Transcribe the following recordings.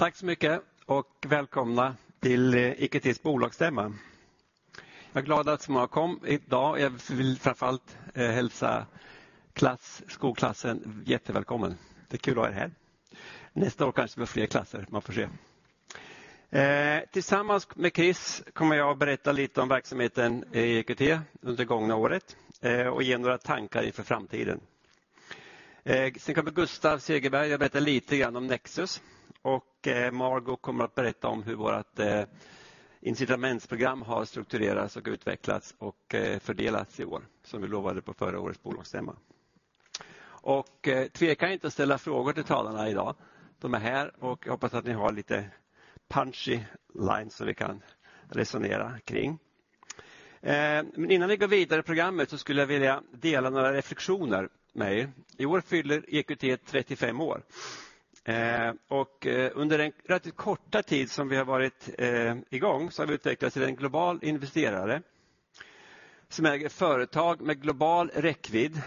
Tack så mycket och välkomna till EQT:s bolagsstämma! Jag är glad att så många kom idag. Jag vill framför allt hälsa klassen, skolklassen jättevälkommen. Det är kul att ha er här. Nästa år kanske med fler klasser, man får se. Tillsammans med Chris kommer jag att berätta lite om verksamheten i EQT under det gångna året och ge några tankar inför framtiden. Sen kommer Gustav Segerberg att berätta lite grann om Nexus och Margo kommer att berätta om hur vårt incitamentsprogram har strukturerats och utvecklats och fördelats i år, som vi lovade på förra årets bolagsstämma. Och tveka inte att ställa frågor till talarna idag. De är här och jag hoppas att ni har lite punchy lines som vi kan resonera kring. Men innan vi går vidare i programmet så skulle jag vilja dela några reflektioner med er. I år fyller EQT trettiofem år, och under den relativt korta tid som vi har varit i gång, så har vi utvecklats till en global investerare, som äger företag med global räckvidd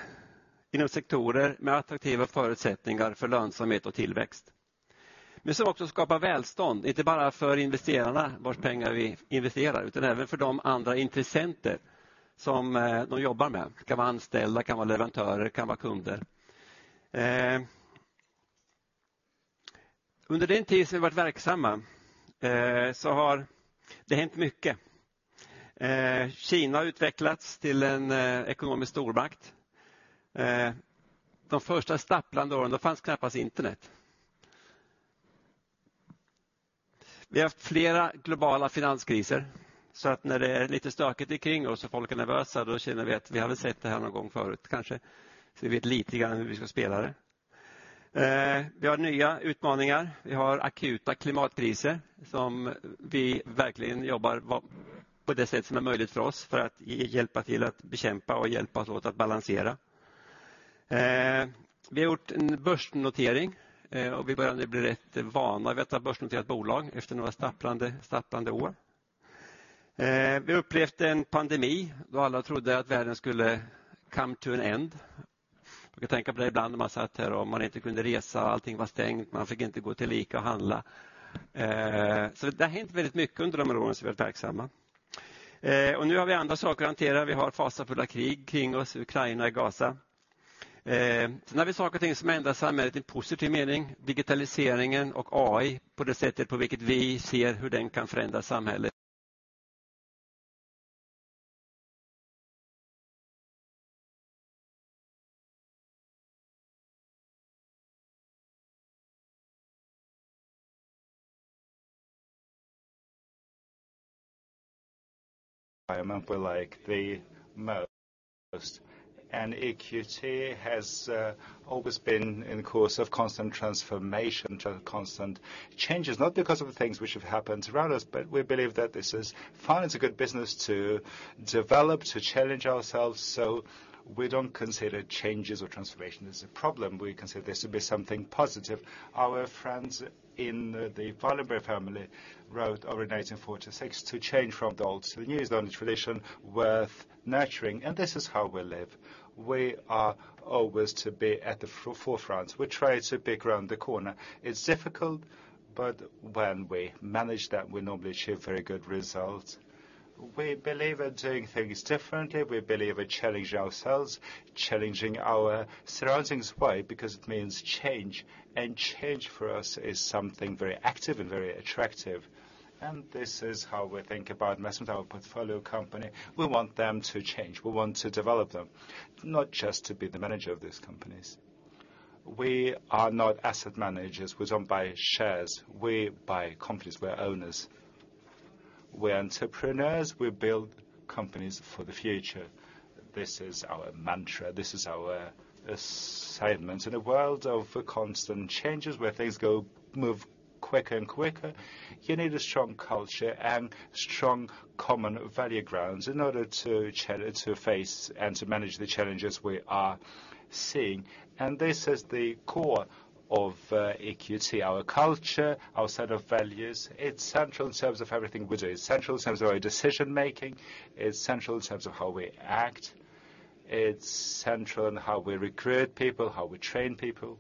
inom sektorer, med attraktiva förutsättningar för lönsamhet och tillväxt. Men som också skapar välstånd, inte bara för investerarna vars pengar vi investerar, utan även för de andra intressenter som de jobbar med. Det kan vara anställda, kan vara leverantörer, kan vara kunder. Under den tid som vi varit verksamma, så har det hänt mycket. Kina har utvecklats till en ekonomisk stormakt. De första stapplande åren, då fanns knappast internet. Vi har haft flera globala finanskriser, så att när det är lite stökigt omkring oss och folk är nervösa, då känner vi att vi har väl sett det här någon gång förut, kanske. Så vi vet lite grann hur vi ska spela det. Vi har nya utmaningar. Vi har akuta klimatkriser som vi verkligen jobbar på det sätt som är möjligt för oss för att hjälpa till att bekämpa och hjälpas åt att balansera. Vi har gjort en börsnotering, och vi börjar bli rätt vana vid att ha börsnoterat bolag efter några stapplande år. Vi upplevde en pandemi då alla trodde att världen skulle come to an end. Jag kan tänka på det ibland när man satt här och man inte kunde resa. Allting var stängt. Man fick inte gå till ICA och handla. Så det har hänt väldigt mycket under de här åren som vi varit verksamma. Nu har vi andra saker att hantera. Vi har fasansfulla krig kring oss, Ukraina och Gaza. Sen har vi saker och ting som ändras samhället i positiv mening. Digitaliseringen och AI, på det sättet på vilket vi ser hur den kan förändra samhället. We like the most. EQT has always been in course of constant transformation to constant changes, not because of the things which have happened around us, but we believe that this is fine. It's a good business to develop, to challenge ourselves, so we don't consider changes or transformation as a problem. We consider this to be something positive. Our friends in the Wallenberg family wrote over in 1946 "to change from the old to the new is not a tradition worth nurturing," and this is how we live. We are always to be at the forefront. We try to be around the corner. It's difficult, but when we manage that, we normally achieve very good results. We believe in doing things differently. We believe in challenging ourselves, challenging our surroundings. Why? Because it means change. Change for us is something very active and very attractive. This is how we think about most of our portfolio company. We want them to change. We want to develop them, not just to be the manager of these companies. We are not asset managers. We don't buy shares. We buy companies. We are owners, we are entrepreneurs. We build companies for the future. This is our mantra. This is our assignment. In a world of constant changes, where things move quicker and quicker, you need a strong culture and strong common value grounds in order to face and to manage the challenges we are seeing. This is the core of EQT, our culture, our set of values. It's central in terms of everything we do. It's central in terms of our decision making. It's central in terms of how we act. It's central in how we recruit people, how we train people.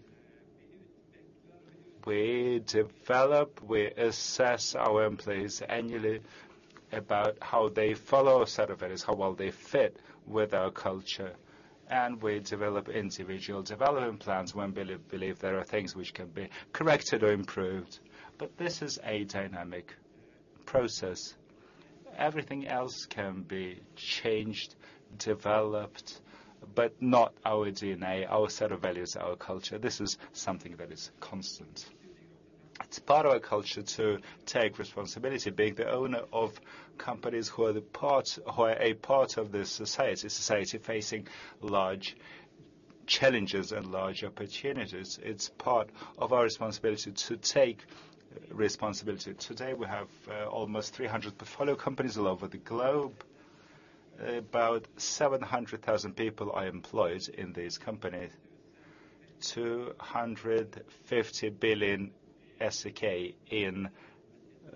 We develop, we assess our employees annually about how they follow a set of values, how well they fit with our culture, and we develop individual development plans when we believe there are things which can be corrected or improved. But this is a dynamic process. Everything else can be changed, developed, but not our DNA, our set of values, our culture. This is something that is constant. It's part of our culture to take responsibility, being the owner of companies who are part of this society. Society facing large challenges and large opportunities. It's part of our responsibility to take responsibility. Today, we have almost three hundred portfolio companies all over the globe. About seven hundred thousand people are employed in this company. Two hundred fifty billion SEK in...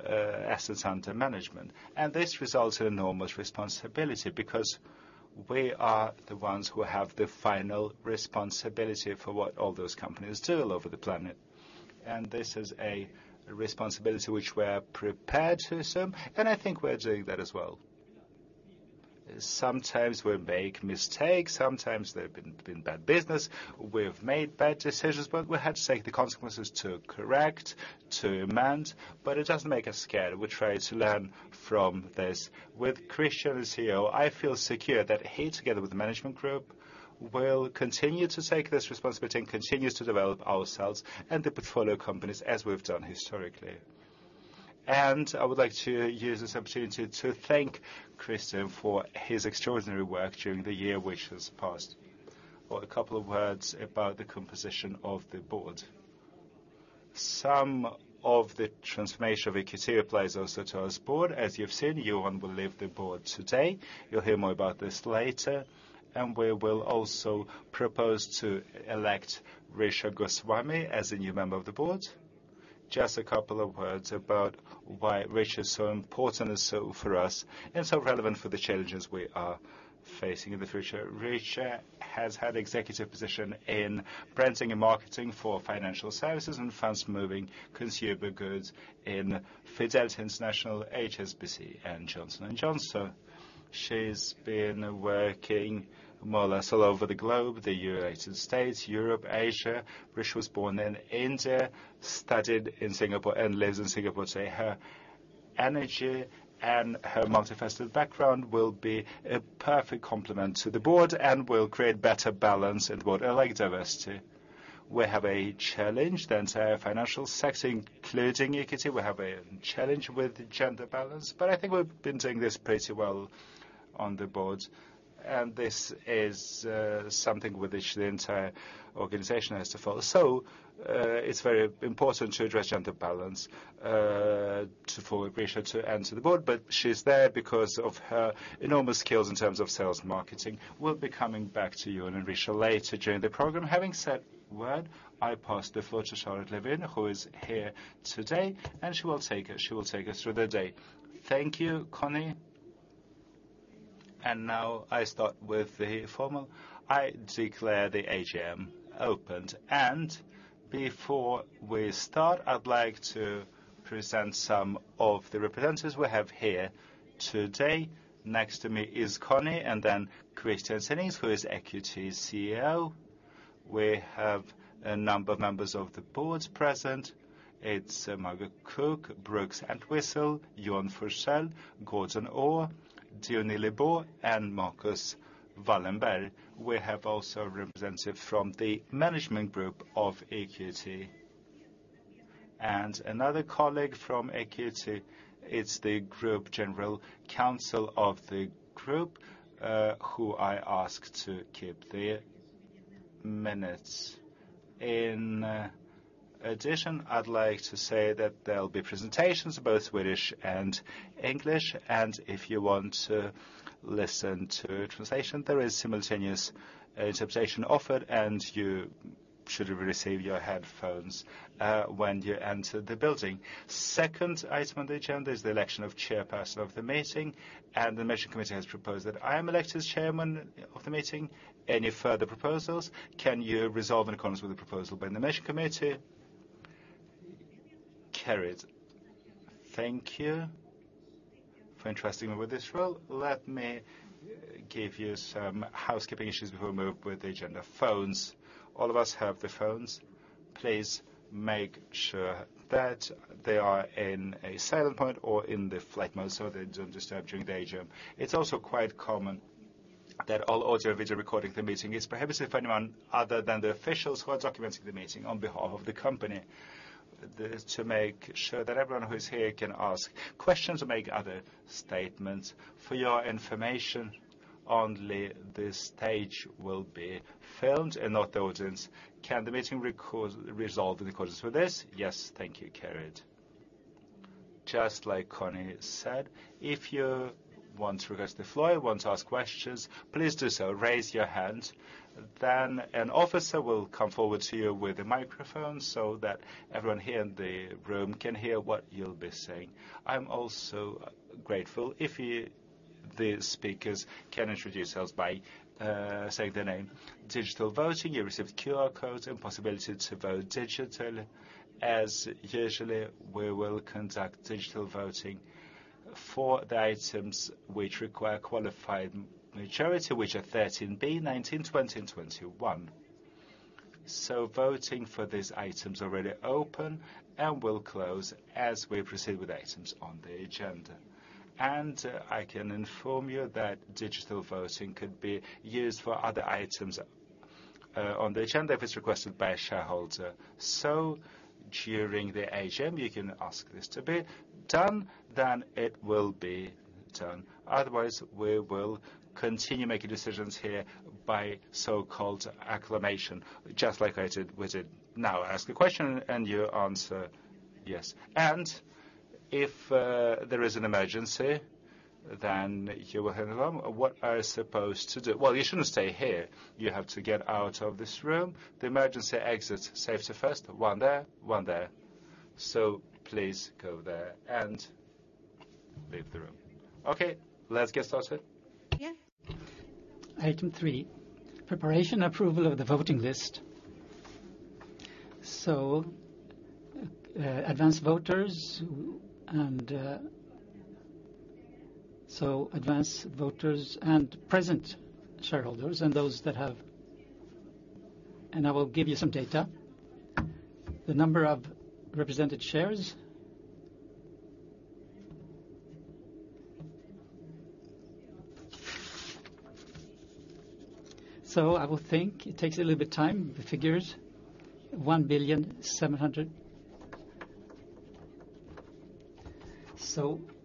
Assets under management. This results in enormous responsibility, because we are the ones who have the final responsibility for what all those companies do all over the planet. This is a responsibility which we're prepared to assume, and I think we're doing that as well. Sometimes we make mistakes, sometimes there have been bad business. We've made bad decisions, but we have to take the consequences to correct, to amend, but it doesn't make us scared. We try to learn from this. With Christian as CEO, I feel secure that he, together with the management group, will continue to take this responsibility and continues to develop ourselves and the portfolio companies, as we've done historically. I would like to use this opportunity to thank Christian for his extraordinary work during the year which has passed. A couple of words about the composition of the board. Some of the transformation of EQT applies also to our board. As you've seen, Johan will leave the board today. You'll hear more about this later, and we will also propose to elect Richa Goswami as a new member of the board. Just a couple of words about why Richa is so important and so relevant for us, and so relevant for the challenges we are facing in the future. Richa has had executive positions in branding and marketing for financial services and fast-moving consumer goods in Fidelity International, HSBC, and Johnson & Johnson. She's been working more or less all over the globe, the United States, Europe, Asia. Richa was born in India, studied in Singapore, and lives in Singapore today. Her energy and her multifaceted background will be a perfect complement to the board and will create better balance in board and like diversity. We have a challenge, the entire financial sector, including EQT. We have a challenge with gender balance, but I think we've been doing this pretty well on the board, and this is something with which the entire organization has to follow. So it's very important to address gender balance for Richa to enter the board, but she's there because of her enormous skills in terms of sales and marketing. We'll be coming back to you and Richa later during the program. Having said that, I pass the floor to Charlotte Levin, who is here today, and she will take us through the day. Thank you, Conni. Now I start with the formal. I declare the AGM opened, and before we start, I'd like to present some of the representatives we have here today. Next to me is Conni, and then Christian Sinding, who is EQT CEO. We have a number of members of the board present. It's Margo Cook, Brooks Entwistle, Johan Forssell, Gordon Orr, Diony Lebot, and Marcus Wallenberg. We have also a representative from the management group of EQT. And another colleague from EQT, it's the Group General Counsel of the group, who I ask to keep the minutes. In addition, I'd like to say that there'll be presentations, both Swedish and English, and if you want to listen to translation, there is simultaneous interpretation offered, and you should have received your headphones when you entered the building. Second item on the agenda is the election of chairperson of the meeting, and the nomination committee has proposed that I am elected as chairman of the meeting. Any further proposals? Can you resolve in accordance with the proposal by the nomination committee? Carried. Thank you for entrusting me with this role. Let me give you some housekeeping issues before we move with the agenda. Phones, all of us have phones. Please make sure that they are in silent mode or in flight mode, so they don't disturb during the AGM. It's also quite common that all audio-video recording of the meeting is prohibited if anyone other than the officials who are documenting the meeting on behalf of the company. This is to make sure that everyone who is here can ask questions or make other statements. For your information, only this stage will be filmed and not the audience. Can the meeting record resolve in accordance with this? Yes. Thank you. Carried. Just like Conni said, if you want to address the floor, want to ask questions, please do so. Raise your hand, then an officer will come forward to you with a microphone so that everyone here in the room can hear what you'll be saying. I'm also grateful if you, the speakers, can introduce yourselves by saying their name. Digital voting, you received QR codes and possibility to vote digitally. As usually, we will conduct digital voting for the items which require qualified majority, which are 13B, 19, 20, and 21. So voting for these items already open and will close as we proceed with the items on the agenda. I can inform you that digital voting could be used for other items on the agenda if it's requested by a shareholder. During the AGM, you can ask this to be done, then it will be done. Otherwise, we will continue making decisions here by so-called acclamation, just like I did with it. Now, ask a question, and you answer yes. If there is an emergency, then you will handle them. What are you supposed to do? You shouldn't stay here. You have to get out of this room. The emergency exit, safety first, one there, one there. Please go there and leave the room. Let's get started. Item three, preparation, approval of the voting list. Advanced voters and present shareholders, and those that have... I will give you some data. The number of represented shares. I will think, it takes a little bit time, the figures, one billion seven hundred...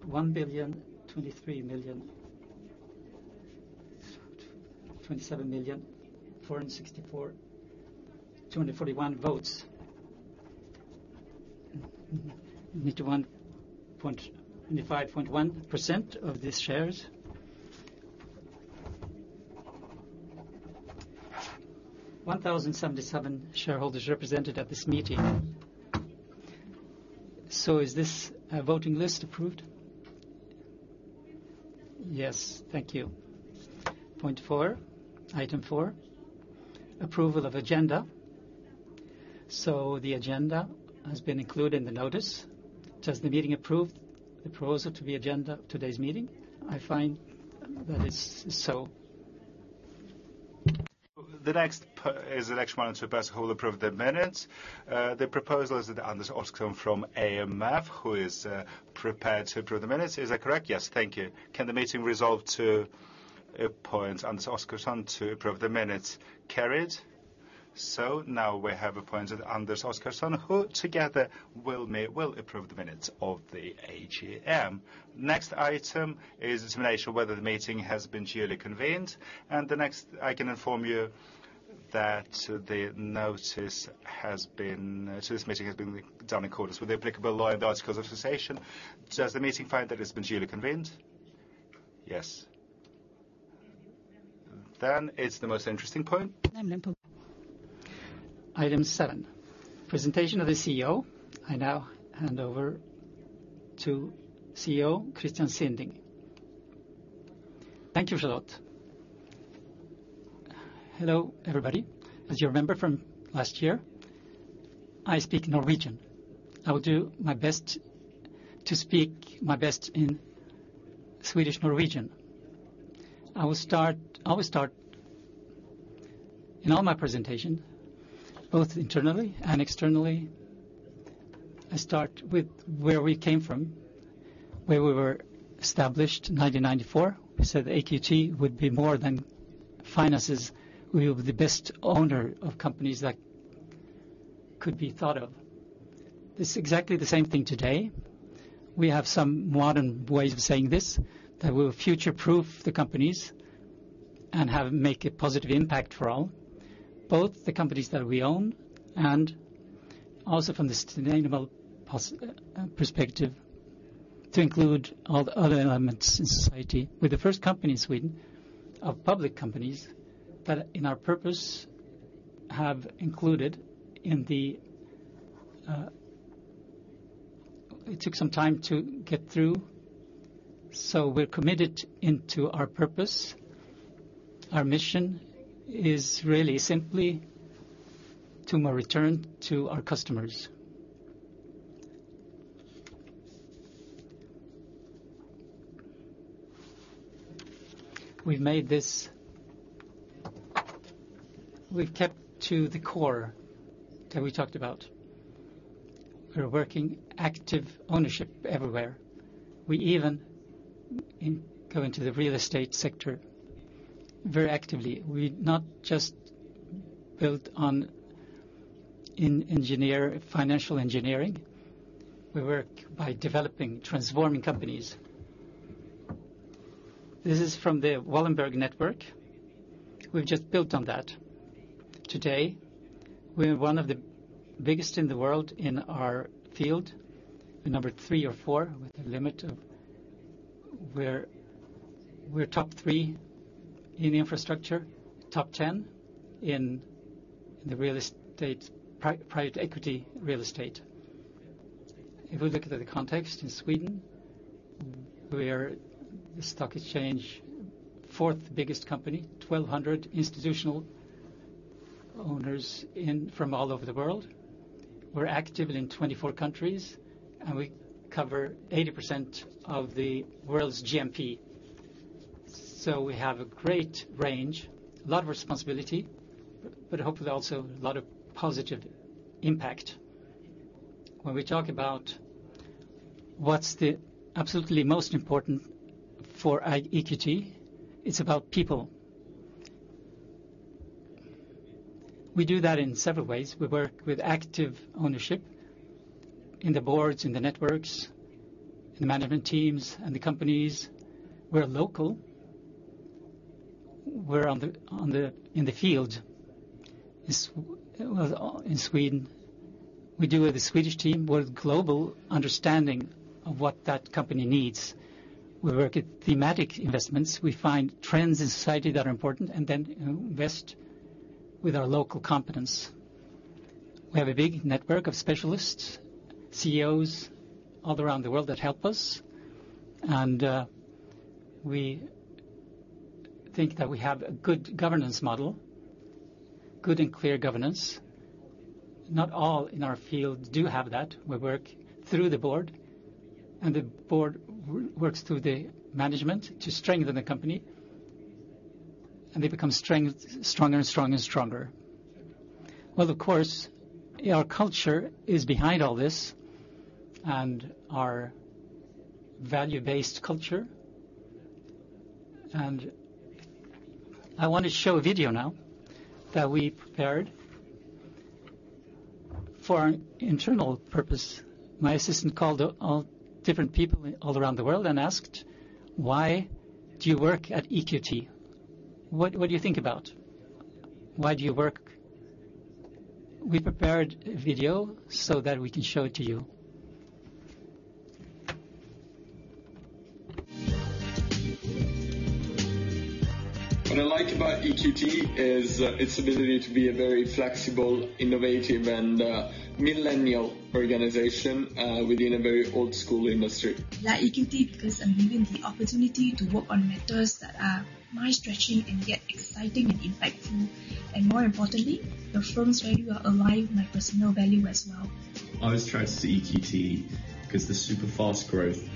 one billion twenty-three million, twenty-seven million four hundred and sixty-four, two hundred and forty-one votes. 95.1% of these shares. One thousand and seventy-seven shareholders represented at this meeting. Is this voting list approved? Yes, thank you. Point four, item four, approval of agenda. The agenda has been included in the notice. Does the meeting approve the proposal to the agenda of today's meeting? I find that is so. The next person is the next one to person who will approve the minutes. The proposal is that Anders Oscarsson from AMF, who is prepared to approve the minutes. Is that correct? Yes, thank you. Can the meeting resolve to appoint Anders Oscarsson to approve the minutes? Carried. So now we have appointed Anders Oscarsson, who together will approve the minutes of the AGM. Next item is to ensure whether the meeting has been duly convened. I can inform you that the notice has been... This meeting has been done in accordance with the applicable law and the articles of association. Does the meeting find that it's been duly convened? Yes. It's the most interesting point. Item seven, presentation of the CEO. I now hand over to CEO, Christian Sinding. Thank you, Charlotte. Hello, everybody. As you remember from last year, I speak Norwegian. I will do my best to speak my best in Swedish, Norwegian. I will start... I always start in all my presentation, both internally and externally, I start with where we came from, where we were established in 1994. We said EQT would be more than finances. We were the best owner of companies that could be thought of. This is exactly the same thing today. We have some modern ways of saying this, that we'll future-proof the companies and make a positive impact for all, both the companies that we own and also from the sustainable perspective, to include all the other elements in society. We're the first company in Sweden, of public companies, that in our purpose, have included in the... It took some time to get through, so we're committed into our purpose. Our mission is really simply to more return to our customers. We've made this... We've kept to the core that we talked about. We're working active ownership everywhere. We even go into the real estate sector very actively. We not just built on in engineer, financial engineering, we work by developing, transforming companies. This is from the Wallenberg network. We've just built on that. Today, we're one of the biggest in the world in our field, we're number three or four, with a limit of where we're top three in infrastructure, top ten in the real estate, private equity, real estate. If we look at the context in Sweden, we are the stock exchange, fourth biggest company, twelve hundred institutional owners from all over the world. We're active in twenty-four countries, and we cover 80% of the world's GDP. So we have a great range, a lot of responsibility, but hopefully also a lot of positive impact. When we talk about what's the absolutely most important for EQT, it's about people. We do that in several ways. We work with active ownership in the boards, in the networks, in the management teams, and the companies. We're local. We're in the field. In Sweden, we do with the Swedish team, with global understanding of what that company needs. We work at thematic investments. We find trends in society that are important, and then invest with our local competence. We have a big network of specialists, CEOs, all around the world that help us, and we think that we have a good governance model, good and clear governance. Not all in our field do have that. We work through the board, and the board works through the management to strengthen the company, and they become stronger and stronger and stronger. Well, of course, our culture is behind all this, and our value-based culture. I want to show a video now that we prepared for an internal purpose. My assistant called different people all around the world and asked: Why do you work at EQT? What do you think about? Why do you work? We prepared a video so that we can show it to you. What I like about EQT is its ability to be a very flexible, innovative, and millennial organization within a very old school industry. I like EQT, because I'm given the opportunity to work on matters that are mind-stretching and yet exciting and impactful, and more importantly, the firm's values are aligned with my personal values as well. I was attracted to EQT because the super fast growth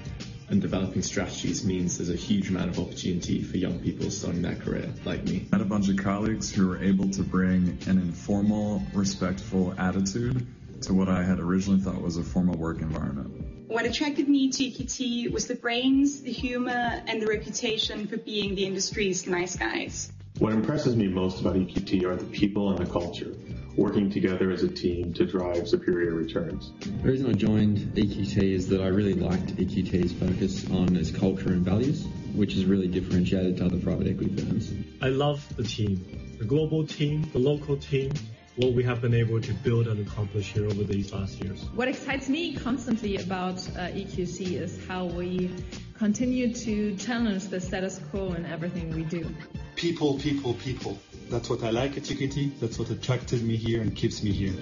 and developing strategies means there's a huge amount of opportunity for young people starting their career, like me. I had a bunch of colleagues who were able to bring an informal, respectful attitude to what I had originally thought was a formal work environment. What attracted me to EQT was the brains, the humor, and the reputation for being the industry's nice guys. What impresses me most about EQT are the people and the culture, working together as a team to drive superior returns. The reason I joined EQT is that I really liked EQT's focus on its culture and values, which is really differentiated to other private equity firms. I love the team, the global team, the local team, what we have been able to build and accomplish here over these last years. What excites me constantly about EQT is how we continue to challenge the status quo in everything we do. People, people, people. That's what I like at EQT. That's what attracted me here and keeps me here.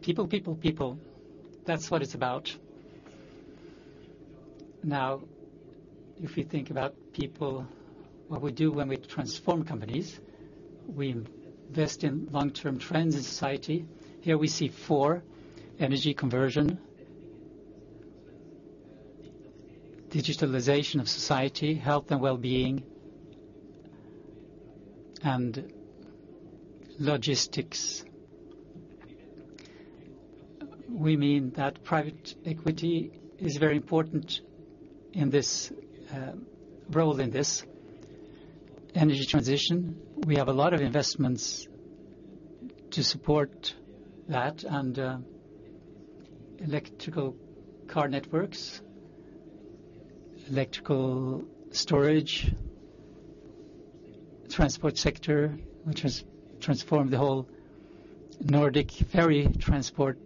People, people, people, that's what it's about. Now, if you think about people, what we do when we transform companies, we invest in long-term trends in society. Here we see four: energy conversion, digitalization of society, health and well-being, and logistics. We mean that private equity is very important in this role in this energy transition. We have a lot of investments to support that and electrical car networks, electrical storage, transport sector, which has transformed the whole Nordic ferry transport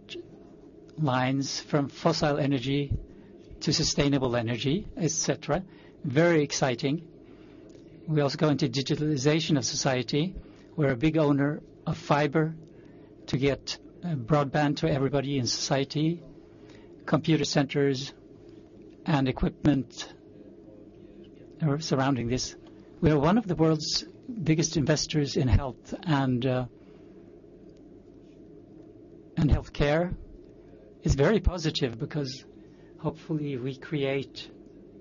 lines from fossil energy to sustainable energy, et cetera. Very exciting. We also go into digitalization of society. We're a big owner of fiber to get broadband to everybody in society, computer centers and equipment are surrounding this. We are one of the world's biggest investors in health, and healthcare is very positive because hopefully we create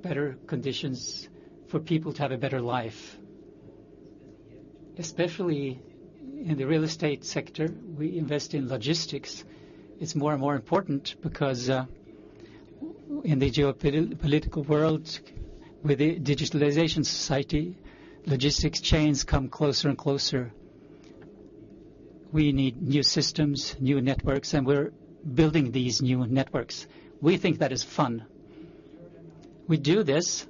better conditions for people to have a better life. Especially in the real estate sector, we invest in logistics. It's more and more important because in the geopolitical world, with the digitalization society, logistics chains come closer and closer. We need new systems, new networks, and we're building these new networks. We think that is fun. We do this,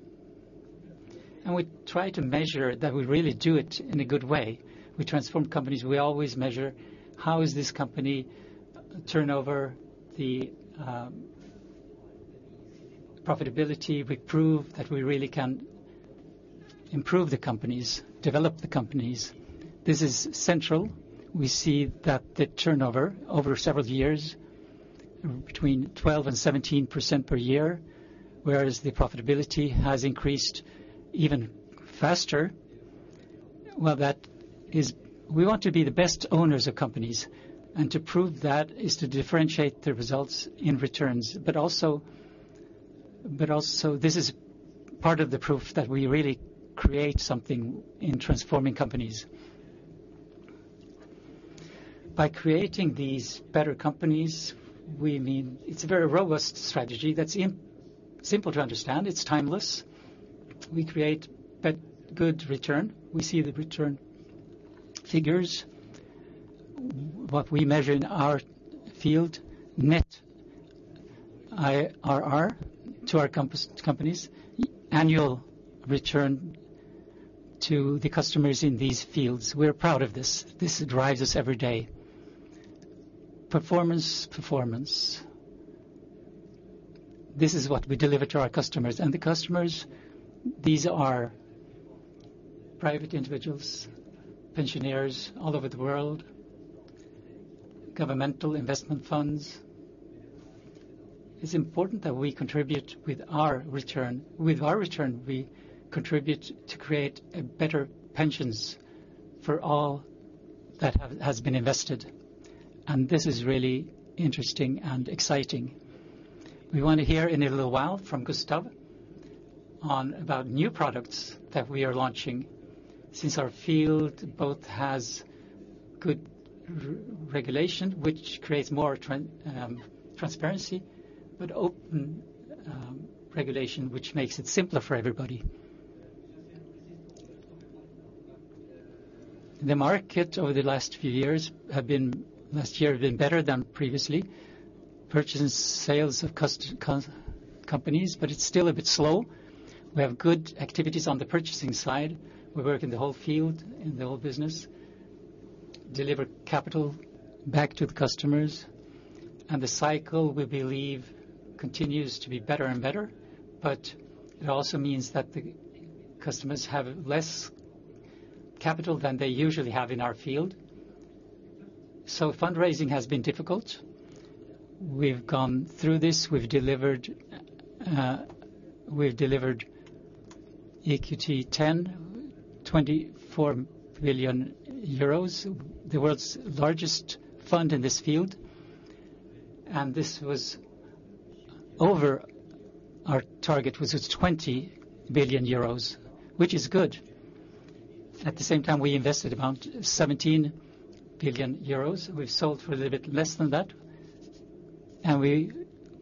and we try to measure that we really do it in a good way. We transform companies. We always measure how is this company turnover, the profitability. We prove that we really can improve the companies, develop the companies. This is central. We see that the turnover over several years, between 12% and 17% per year, whereas the profitability has increased even faster. That is... We want to be the best owners of companies, and to prove that is to differentiate the results in returns, but also this is part of the proof that we really create something in transforming companies. By creating these better companies, we mean it's a very robust strategy that's simple to understand, it's timeless. We create that good return. We see the return figures, what we measure in our field, net IRR to our companies, annual return to the customers in these fields. We're proud of this. This drives us every day. Performance, performance. This is what we deliver to our customers. The customers, these are private individuals, pensioners all over the world, governmental investment funds. It's important that we contribute with our return. With our return, we contribute to create better pensions for all that have been invested, and this is really interesting and exciting. We want to hear in a little while from Gustav about new products that we are launching, since our field both has good regulation, which creates more transparency, but open regulation, which makes it simpler for everybody. The market over the last few years have been, last year have been better than previously. Purchases, sales of companies, but it's still a bit slow. We have good activities on the purchasing side. We work in the whole field, in the whole business, deliver capital back to the customers, and the cycle, we believe, continues to be better and better, but it also means that the customers have less capital than they usually have in our field. Fundraising has been difficult. We've gone through this, we've delivered, we've delivered EQT €24 billion, the world's largest fund in this field. This was over our target, which was €20 billion, which is good. At the same time, we invested about €17 billion. We've sold for a little bit less than that, and we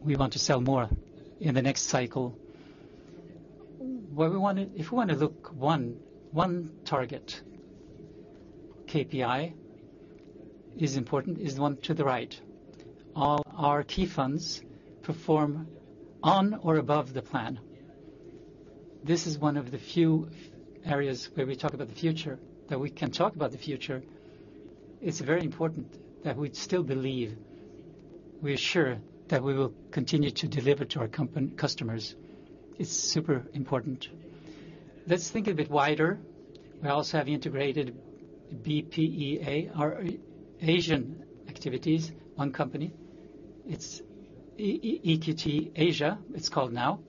want to sell more in the next cycle. What we want to-- If we want to look one target, KPI is important, is the one to the right. All our key funds perform on or above the plan. This is one of the few areas where we talk about the future-- that we can talk about the future. It's very important that we still believe, we're sure that we will continue to deliver to our customers, is super important. Let's think a bit wider. We also have integrated BPEA, our Asian activities company. It's EQT Asia, it's called now.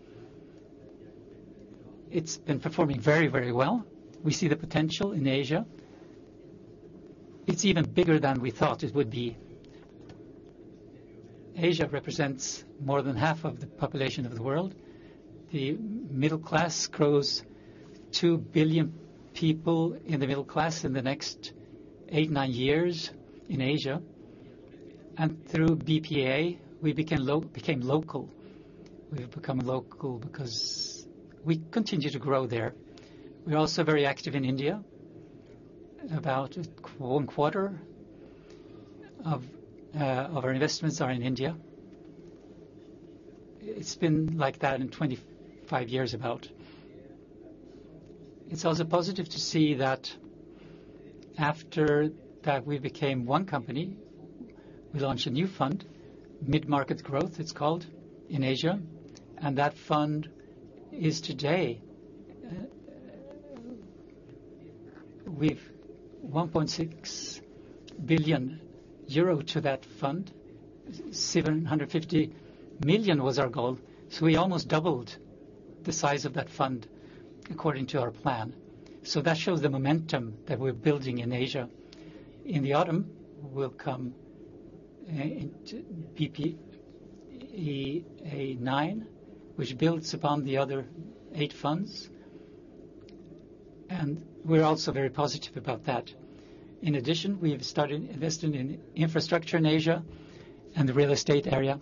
It's been performing very, very well. We see the potential in Asia. It's even bigger than we thought it would be. Asia represents more than half of the population of the world. The middle class grows two billion people in the middle class in the next eight, nine years in Asia. Through BPEA, we became local. We have become local because we continue to grow there. We're also very active in India. About one quarter of our investments are in India. It's been like that in 25 years, about. It's also positive to see that after that, we became one company. We launched a new fund, Midmarket Growth, it's called, in Asia, and that fund is today... With €1.6 billion to that fund, €750 million was our goal, so we almost doubled the size of that fund according to our plan. That shows the momentum that we're building in Asia. In the autumn, we'll come into BPEA nine, which builds upon the other eight funds, and we're also very positive about that. In addition, we have started investing in infrastructure in Asia and the real estate area.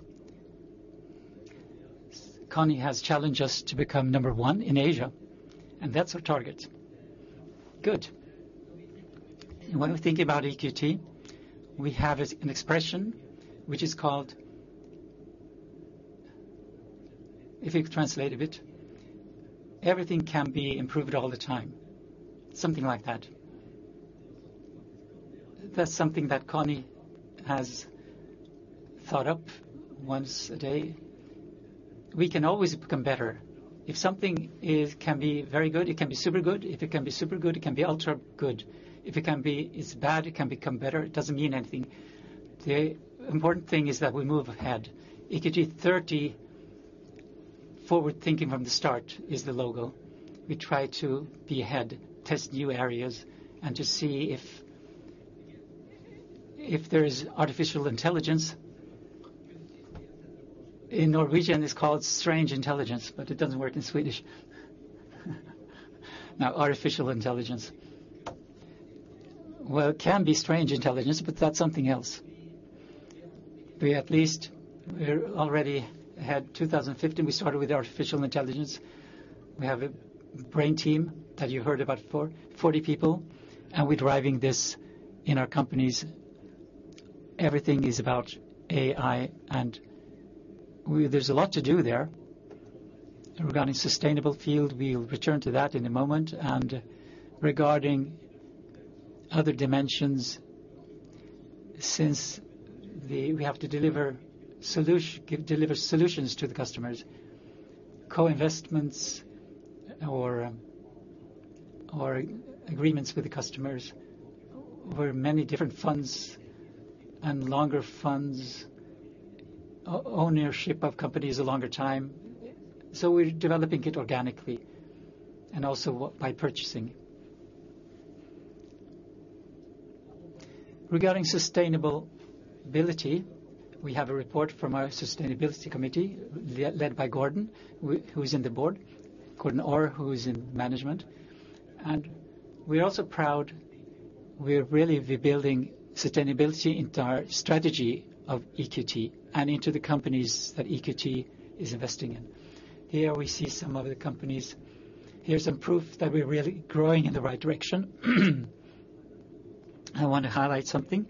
Conni has challenged us to become number one in Asia, and that's our target. When we think about EQT, we have an expression which is called... If you translate a bit, everything can be improved all the time. Something like that. That's something that Conni has thought up once a day. We can always become better. If something can be very good, it can be super good. If it can be super good, it can be ultra good. If it can be bad, it can become better. It doesn't mean anything. The important thing is that we move ahead. EQT 30: forward thinking from the start, is the logo. We try to be ahead, test new areas, and to see if there is artificial intelligence. In Norwegian, it's called strange intelligence, but it doesn't work in Swedish. Now, artificial intelligence. Well, it can be strange intelligence, but that's something else. We at least, we already had 2015, we started with artificial intelligence. We have a brain team that you heard about, 40 people, and we're driving this in our companies. Everything is about AI, and there's a lot to do there. Regarding sustainable field, we'll return to that in a moment, and regarding other dimensions, since we have to deliver solutions to the customers, co-investments or agreements with the customers where many different funds and longer funds, ownership of companies a longer time. So we're developing it organically and also by purchasing. Regarding sustainability, we have a report from our sustainability committee, led by Gordon, who is in the board, Gordon Orr, who is in management. We're also proud, we're really rebuilding sustainability into our strategy of EQT and into the companies that EQT is investing in. Here we see some of the companies. Here's some proof that we're really growing in the right direction. I want to highlight something.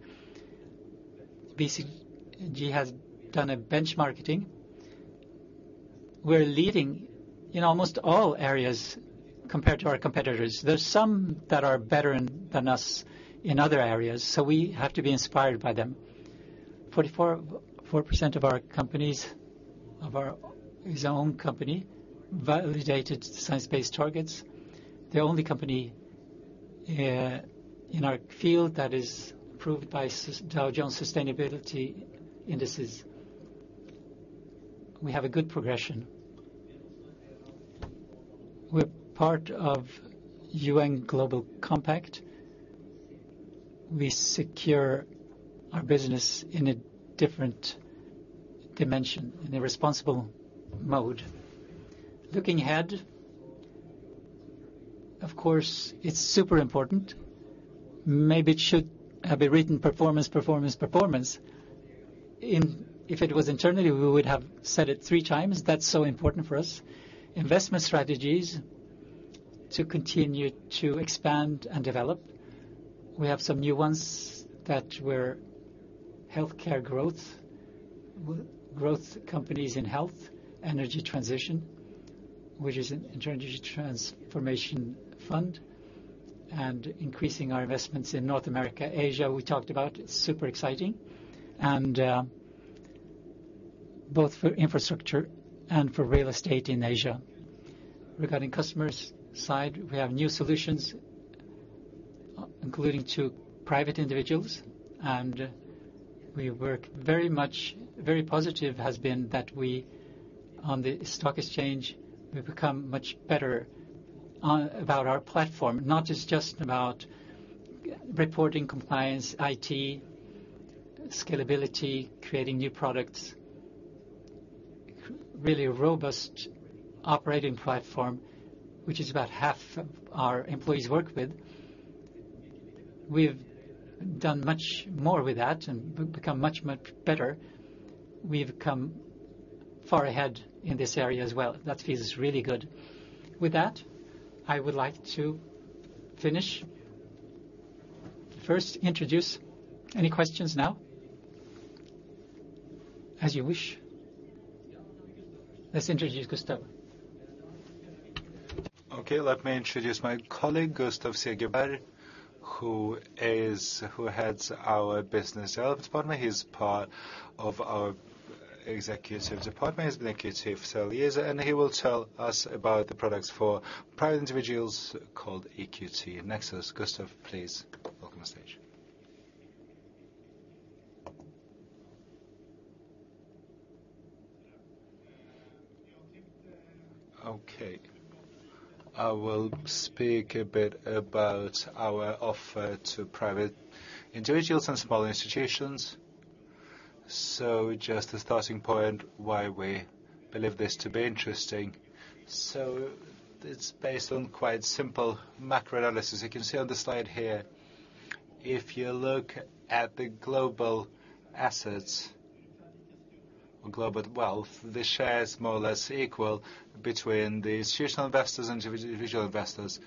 BCG has done a bench marketing. We're leading in almost all areas compared to our competitors. There are some that are better than us in other areas, so we have to be inspired by them. 44% of our companies is our own company, validated science-based targets. The only company in our field that is approved by Dow Jones Sustainability Indices. We have a good progression. We're part of UN Global Compact. We secure our business in a different dimension, in a responsible mode. Looking ahead, of course, it's super important. Maybe it should have been written performance, performance, performance. If it was internally, we would have said it three times. That's so important for us. Investment strategies to continue to expand and develop. We have some new ones that we're... Healthcare growth, growth companies in health, energy transition, which is an energy transformation fund, and increasing our investments in North America. Asia, we talked about, it's super exciting, both for infrastructure and for real estate in Asia. Regarding customers side, we have new solutions, including to private individuals, and we work very much. Very positive has been that we, on the stock exchange, we've become much better about our platform, not just about reporting, compliance, IT, scalability, creating new products. Really a robust operating platform, which is about half of our employees work with. We've done much more with that and become much, much better. We've come far ahead in this area as well. That feels really good. With that, I would like to finish. First, introduce any questions now? As you wish. Let's introduce Gustav. Okay, let me introduce my colleague, Gustav Segelberg, who heads our business development department. He's part of our executive department. He's been in EQT for several years, and he will tell us about the products for private individuals called EQT Nexus. Gustav, please welcome on stage. I will speak a bit about our offer to private individuals and small institutions. Just a starting point why we believe this to be interesting. It's based on quite simple macro analysis. You can see on the slide here, if you look at the global assets or global wealth, the share is more or less equal between the institutional investors and individual investors.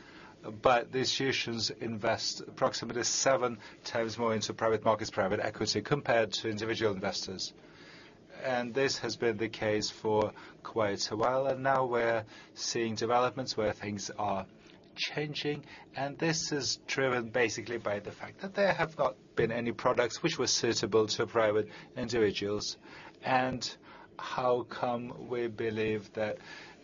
But the institutions invest approximately seven times more into private markets, private equity, compared to individual investors. This has been the case for quite a while, and now we're seeing developments where things are changing, and this is driven basically by the fact that there have not been any products which were suitable to private individuals. How come we believe that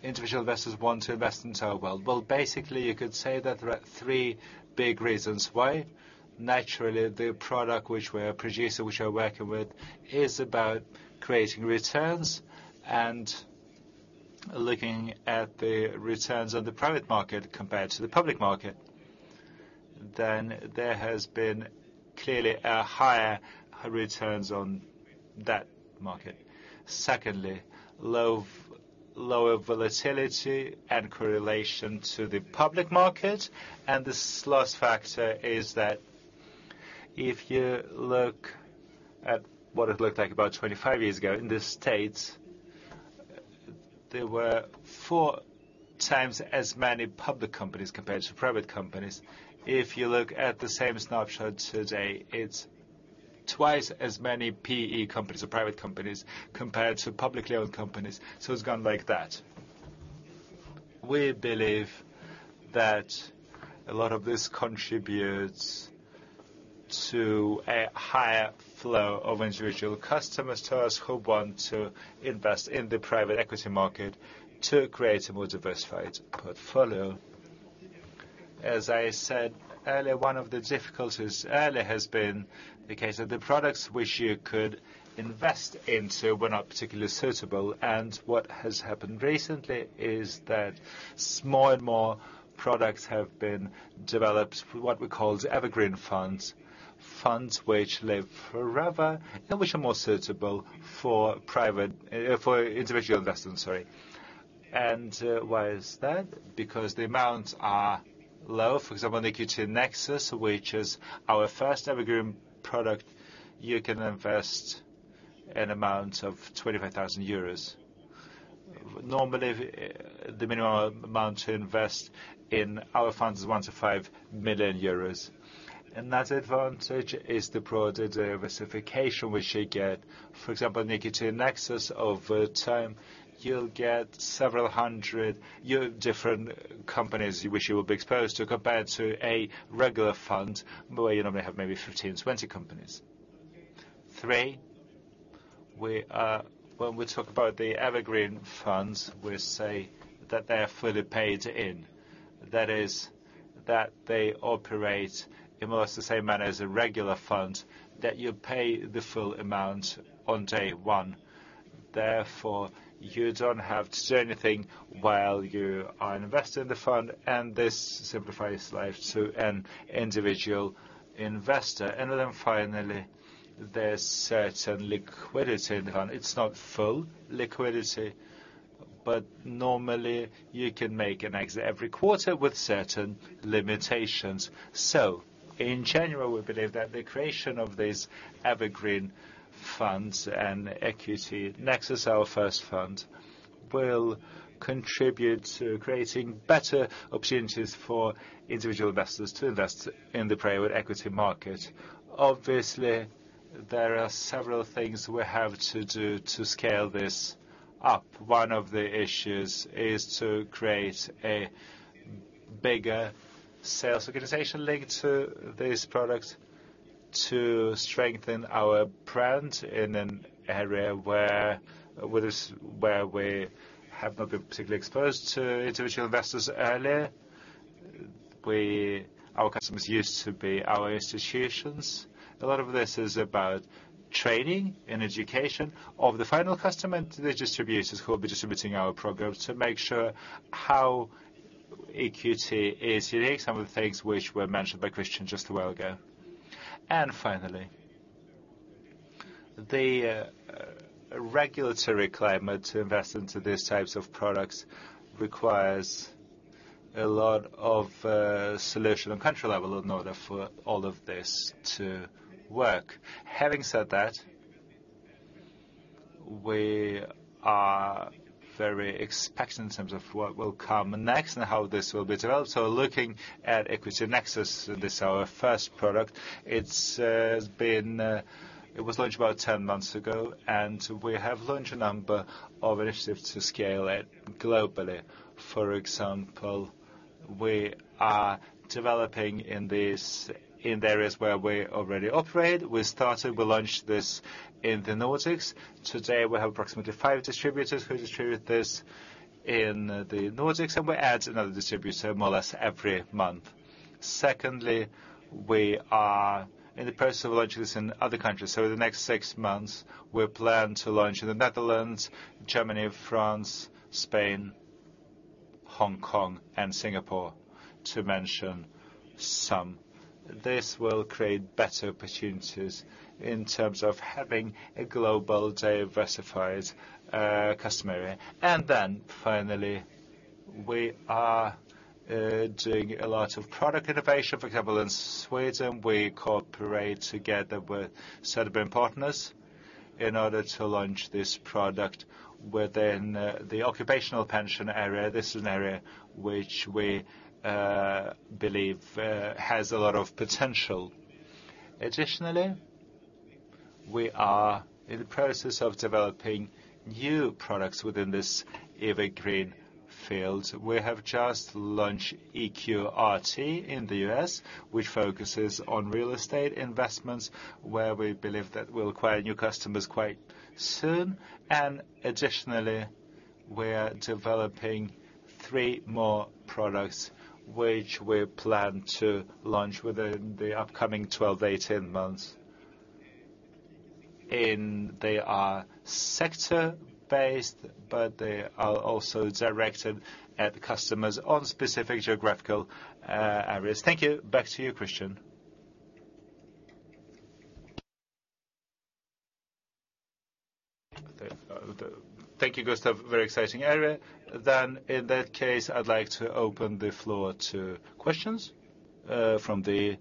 individual investors want to invest into our world? Well, basically, you could say that there are three big reasons why. Naturally, the product which we are producing, which we are working with, is about creating returns and looking at the returns on the private market compared to the public market, then there has been clearly a higher returns on that market. Secondly, lower volatility and correlation to the public market. This last factor is that if you look at what it looked like about twenty-five years ago in the States, there were four times as many public companies compared to private companies. If you look at the same snapshot today, it's twice as many PE companies or private companies, compared to publicly owned companies. So it's gone like that. We believe that a lot of this contributes to a higher flow of individual customers to us, who want to invest in the private equity market to create a more diversified portfolio. As I said earlier, one of the difficulties earlier has been the case of the products which you could invest into were not particularly suitable, and what has happened recently is that more and more products have been developed, what we call evergreen funds. Funds which live forever, and which are more suitable for private, for individual investors, sorry. And why is that? Because the amounts are low. For example, in EQT Nexus, which is our first evergreen product, you can invest an amount of €25,000. Normally, the minimum amount to invest in our funds is €1 to 5 million. Another advantage is the broader diversification which you get. For example, in EQT Nexus, over time, you'll get several hundred different companies which you will be exposed to, compared to a regular fund, where you normally have maybe fifteen, twenty companies. Three, when we talk about the evergreen funds, we say that they are fully paid in. That is, that they operate in almost the same manner as a regular fund, that you pay the full amount on day one. Therefore, you don't have to do anything while you are invested in the fund, and this simplifies life to an individual investor. And then finally, there's certain liquidity in the fund. It's not full liquidity, but normally, you can make an exit every quarter with certain limitations. So, in general, we believe that the creation of these evergreen funds and EQT Nexus, our first fund, will contribute to creating better opportunities for individual investors to invest in the private equity market. Obviously, there are several things we have to do to scale this up. One of the issues is to create a bigger sales organization linked to this product, to strengthen our brand in an area where we have not been particularly exposed to individual investors earlier. Our customers used to be our institutions. A lot of this is about training and education of the final customer and the distributors who will be distributing our programs, to make sure how EQT is unique. Some of the things which were mentioned by Christian just a while ago. Finally, the regulatory climate to invest into these types of products requires a lot of solution and country level in order for all of this to work. Having said that, we are very excited in terms of what will come next and how this will be developed. Looking at EQT Nexus, this our first product, it's been, it was launched about ten months ago, and we have launched a number of initiatives to scale it globally. For example, we are developing in these, in the areas where we already operate. We started, we launched this in the Nordics. Today, we have approximately five distributors who distribute this in the Nordics, and we add another distributor more or less every month. Secondly, we are in the process of launching this in other countries. In the next six months, we plan to launch in the Netherlands, Germany, France, Spain, Hong Kong, and Singapore, to mention some. This will create better opportunities in terms of having a global, diversified customer area. And then finally, we are doing a lot of product innovation. For example, in Sweden, we cooperate together with certain partners in order to launch this product within the occupational pension area. This is an area which we believe has a lot of potential. Additionally, we are in the process of developing new products within this evergreen field. We have just launched EQRT in the U.S., which focuses on real estate investments, where we believe that we'll acquire new customers quite soon. Additionally, we're developing three more products, which we plan to launch within the upcoming twelve to eighteen months. They are sector-based, but they are also directed at customers on specific geographical areas. Thank you. Back to you, Christian. Thank you, Gustav. Very exciting area. In that case, I'd like to open the floor to questions from the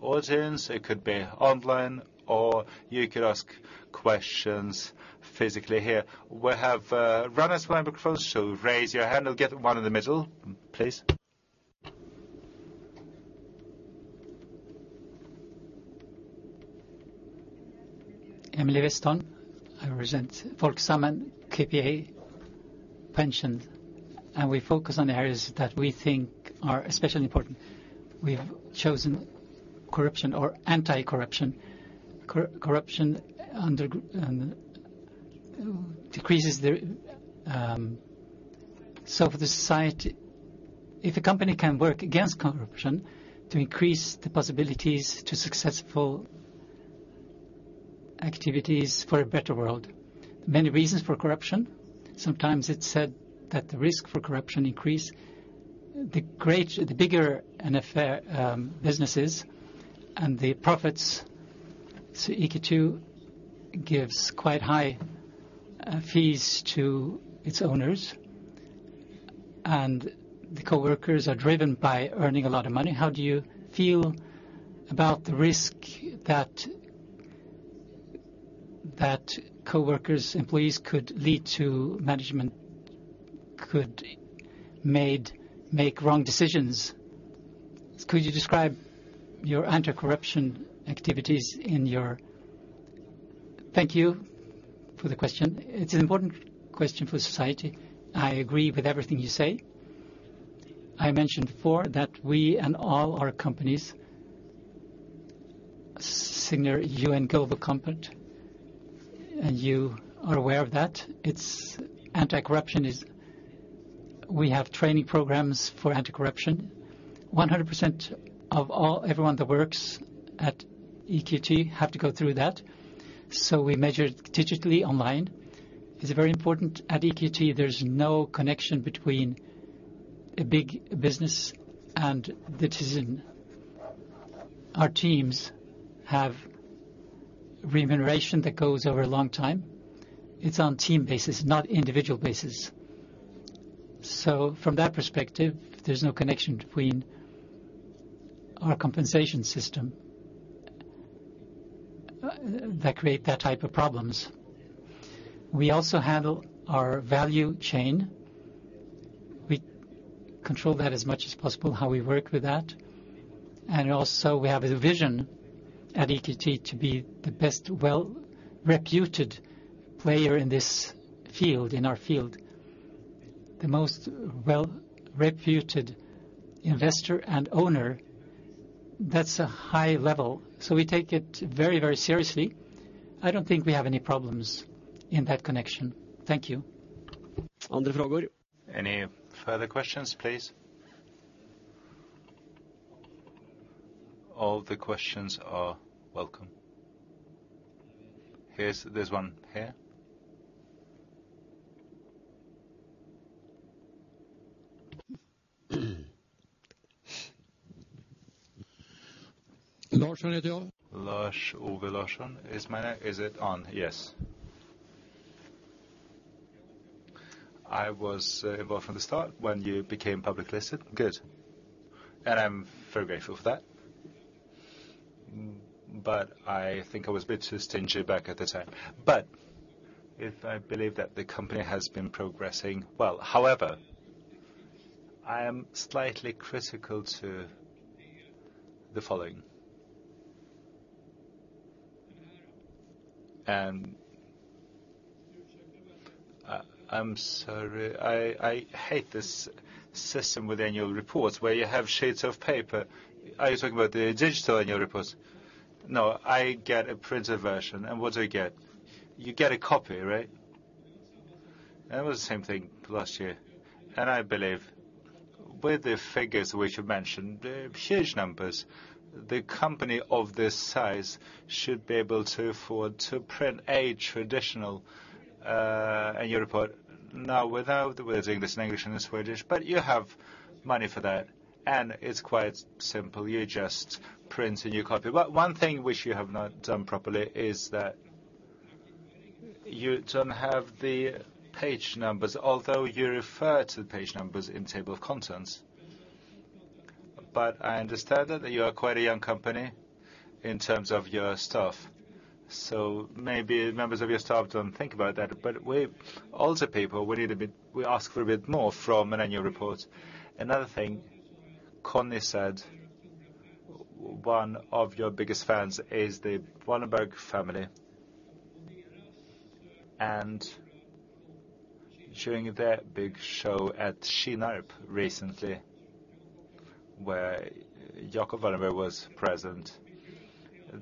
audience. It could be online, or you could ask questions physically here. We have runners with microphones, so raise your hand, I'll get one in the middle, please. Emilie Westholm. I represent Folksam and KPA Pension, and we focus on the areas that we think are especially important. We have chosen corruption or anti-corruption. Corruption decreases the... So for the society, if a company can work against corruption, to increase the possibilities to successful activities for a better world. Many reasons for corruption, sometimes it's said that the risk for corruption increase, the greater the bigger an affair, business is, and the profits, so EQT gives quite high fees to its owners, and the coworkers are driven by earning a lot of money. How do you feel about the risk that coworkers, employees could lead to management, could make wrong decisions? Could you describe your anti-corruption activities in your... Thank you for the question. It's an important question for society. I agree with everything you say. I mentioned before that we and all our companies sign UN Global Compact, and you are aware of that. Anti-corruption is - we have training programs for anti-corruption. 100% of all, everyone that works at EQT have to go through that. So we measure digitally online. It's very important. At EQT, there's no connection between a big business and the decision. Our teams have remuneration that goes over a long time. It's on team basis, not individual basis. So from that perspective, there's no connection between our compensation system that create that type of problems. We also handle our value chain. We control that as much as possible, how we work with that, and also, we have a vision at EQT to be the best well-reputed player in this field, in our field. The most well-reputed investor and owner, that's a high level, so we take it very, very seriously. I don't think we have any problems in that connection. Thank you. Any further questions, please? All the questions are welcome. Here's there's one here. Larsen. Lars-Ove Larsson is my name. Is it on? Yes. I was involved from the start when you became public listed. Good. I'm very grateful for that. I think I was a bit too stingy back at the time. If I believe that the company has been progressing well. However, I am slightly critical to the following. I'm sorry, I hate this system with annual reports where you have sheets of paper. Are you talking about the digital annual reports? No, I get a printed version, and what do I get? You get a copy, right? It was the same thing last year. I believe with the figures which you mentioned, the huge numbers, the company of this size should be able to afford to print a traditional annual report. Now, without the words English and English and Swedish, but you have money for that, and it's quite simple. You just print a new copy. But one thing which you have not done properly is that you don't have the page numbers, although you refer to the page numbers in table of contents. But I understand that you are quite a young company in terms of your staff, so maybe members of your staff don't think about that. But we, older people, we need a bit - we ask for a bit more from an annual report. Another thing, Conni said, one of your biggest fans is the Wallenberg family. During their big show at Shinarp recently, where Jacob Wallenberg was present,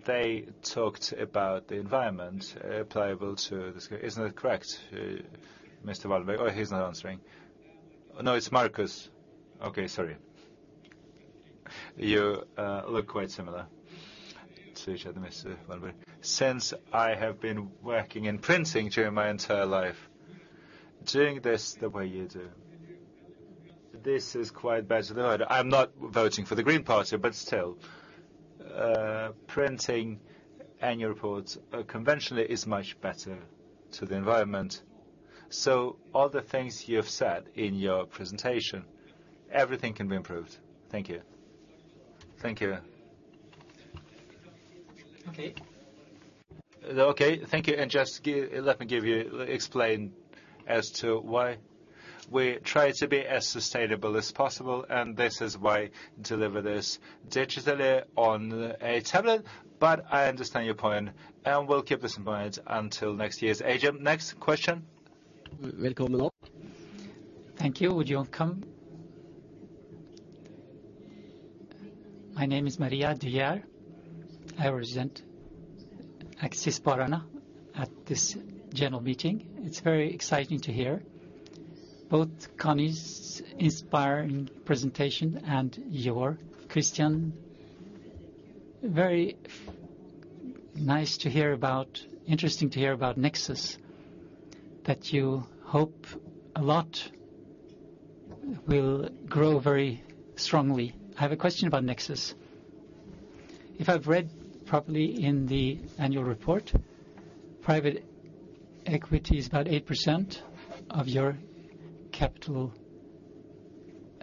they talked about the environment applicable to this. Isn't it correct, Mr. Wallenberg? Oh, he's not answering. No, it's Marcus. Okay, sorry. You look quite similar to each other, Mr. Wallenberg. Since I have been working in printing during my entire life, doing this the way you do... This is quite bad for the environment. I'm not voting for the Green Party, but still, printing annual reports conventionally is much better for the environment. So all the things you have said in your presentation, everything can be improved. Thank you. Thank you. Okay. Okay, thank you. Just let me give you, explain as to why we try to be as sustainable as possible, and this is why we deliver this digitally on a tablet. But I understand your point, and we'll keep this in mind until next year's AGM. Next question? Welcome along. Thank you. Would you come? My name is Maria De Geer. I represent Aktiespararna at this general meeting. It's very exciting to hear both Conni's inspiring presentation and your Christian. Very nice to hear about, interesting to hear about Nexus, that you hope a lot will grow very strongly. I have a question about Nexus. If I've read properly in the annual report, private equity is about 8% of your capital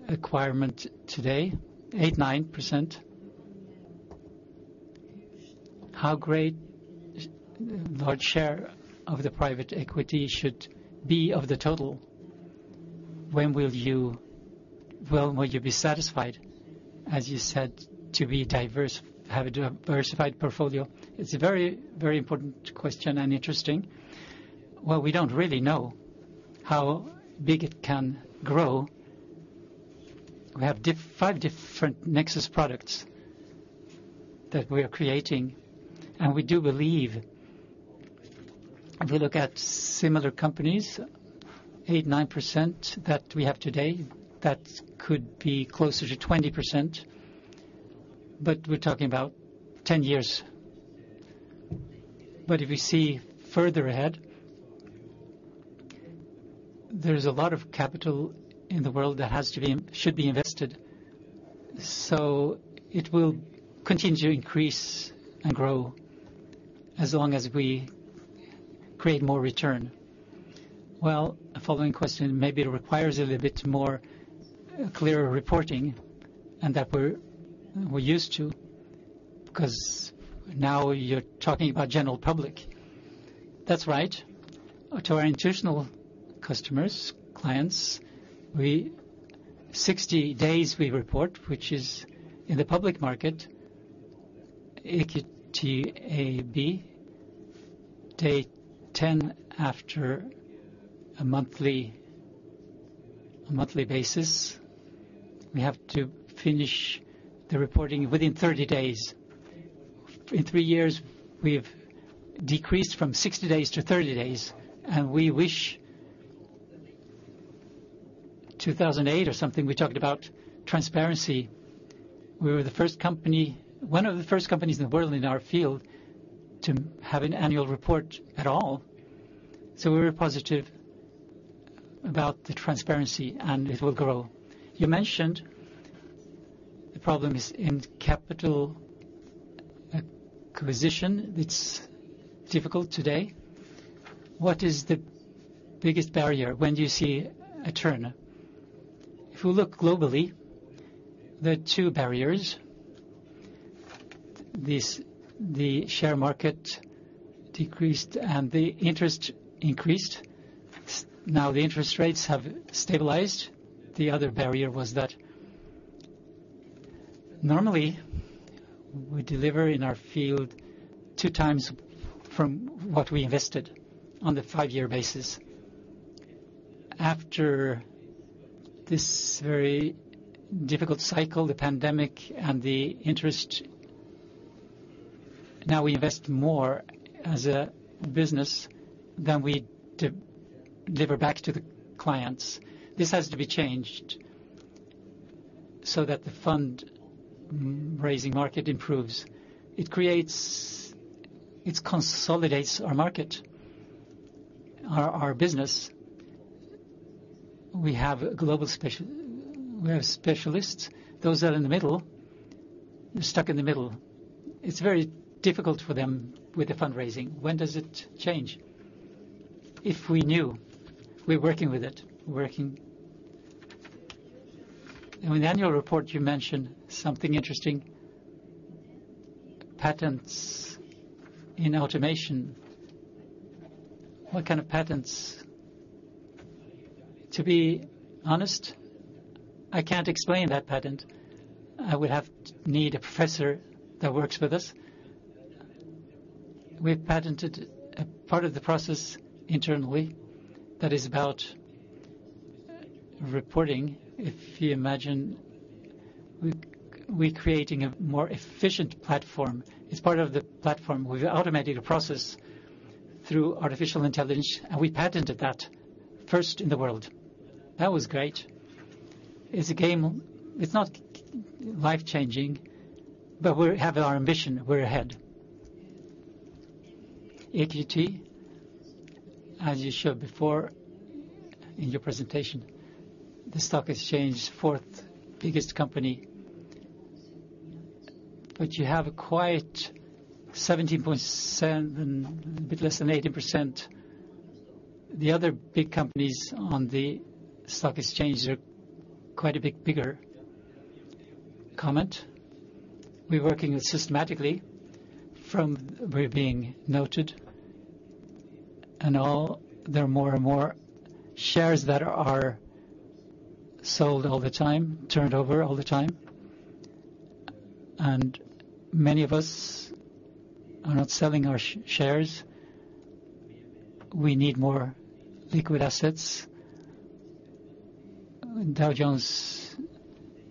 requirement today, 8, 9%. How great, large share of the private equity should be of the total? When will you, well, will you be satisfied, as you said, to be diverse, have a diversified portfolio? It's a very, very important question and interesting. We don't really know how big it can grow. We have five different Nexus products that we are creating, and we do believe, if we look at similar companies, eight, nine percent that we have today, that could be closer to 20%, but we're talking about ten years. But if we see further ahead, there's a lot of capital in the world that has to be, should be invested, so it will continue to increase and grow as long as we create more return. The following question, maybe it requires a little bit more clearer reporting and that we're used to, because now you're talking about general public. That's right. To our institutional customers, clients, we sixty days we report, which is in the public market, EQT AB, day ten after a monthly, a monthly basis. We have to finish the reporting within thirty days. In three years, we've decreased from 60 days to 30 days, and we wish... 2008 or something, we talked about transparency. We were the first company, one of the first companies in the world, in our field, to have an annual report at all. So we were positive about the transparency, and it will grow. You mentioned the problems in capital acquisition. It's difficult today. What is the biggest barrier when you see a turn? If you look globally, there are two barriers. This, the share market decreased and the interest increased. Now, the interest rates have stabilized. The other barrier was that normally, we deliver in our field two times from what we invested on the five-year basis. After this very difficult cycle, the pandemic and the interest, now we invest more as a business than we deliver back to the clients. This has to be changed so that the fundraising market improves. It consolidates our market, our business. We have global specialists. We have specialists, those that are in the middle, stuck in the middle. It's very difficult for them with the fundraising. When does it change? If we knew, we're working with it, we're working. In the annual report, you mentioned something interesting, patents in automation. What kind of patents? To be honest, I can't explain that patent. I would have to need a professor that works with us. We've patented a part of the process internally that is about reporting. If you imagine, we're creating a more efficient platform. It's part of the platform. We've automated a process through artificial intelligence, and we patented that first in the world. That was great. It's a game changer. It's not life-changing, but we have our ambition, we're ahead. EQT, as you showed before in your presentation, the stock exchange fourth biggest company. But you have quite 17.7%, a bit less than 18%. The other big companies on the stock exchange are quite a bit bigger. Comment? We're working systematically from we're being noted, and all there are more and more shares that are sold all the time, turned over all the time, and many of us are not selling our shares. We need more liquid assets. Dow Jones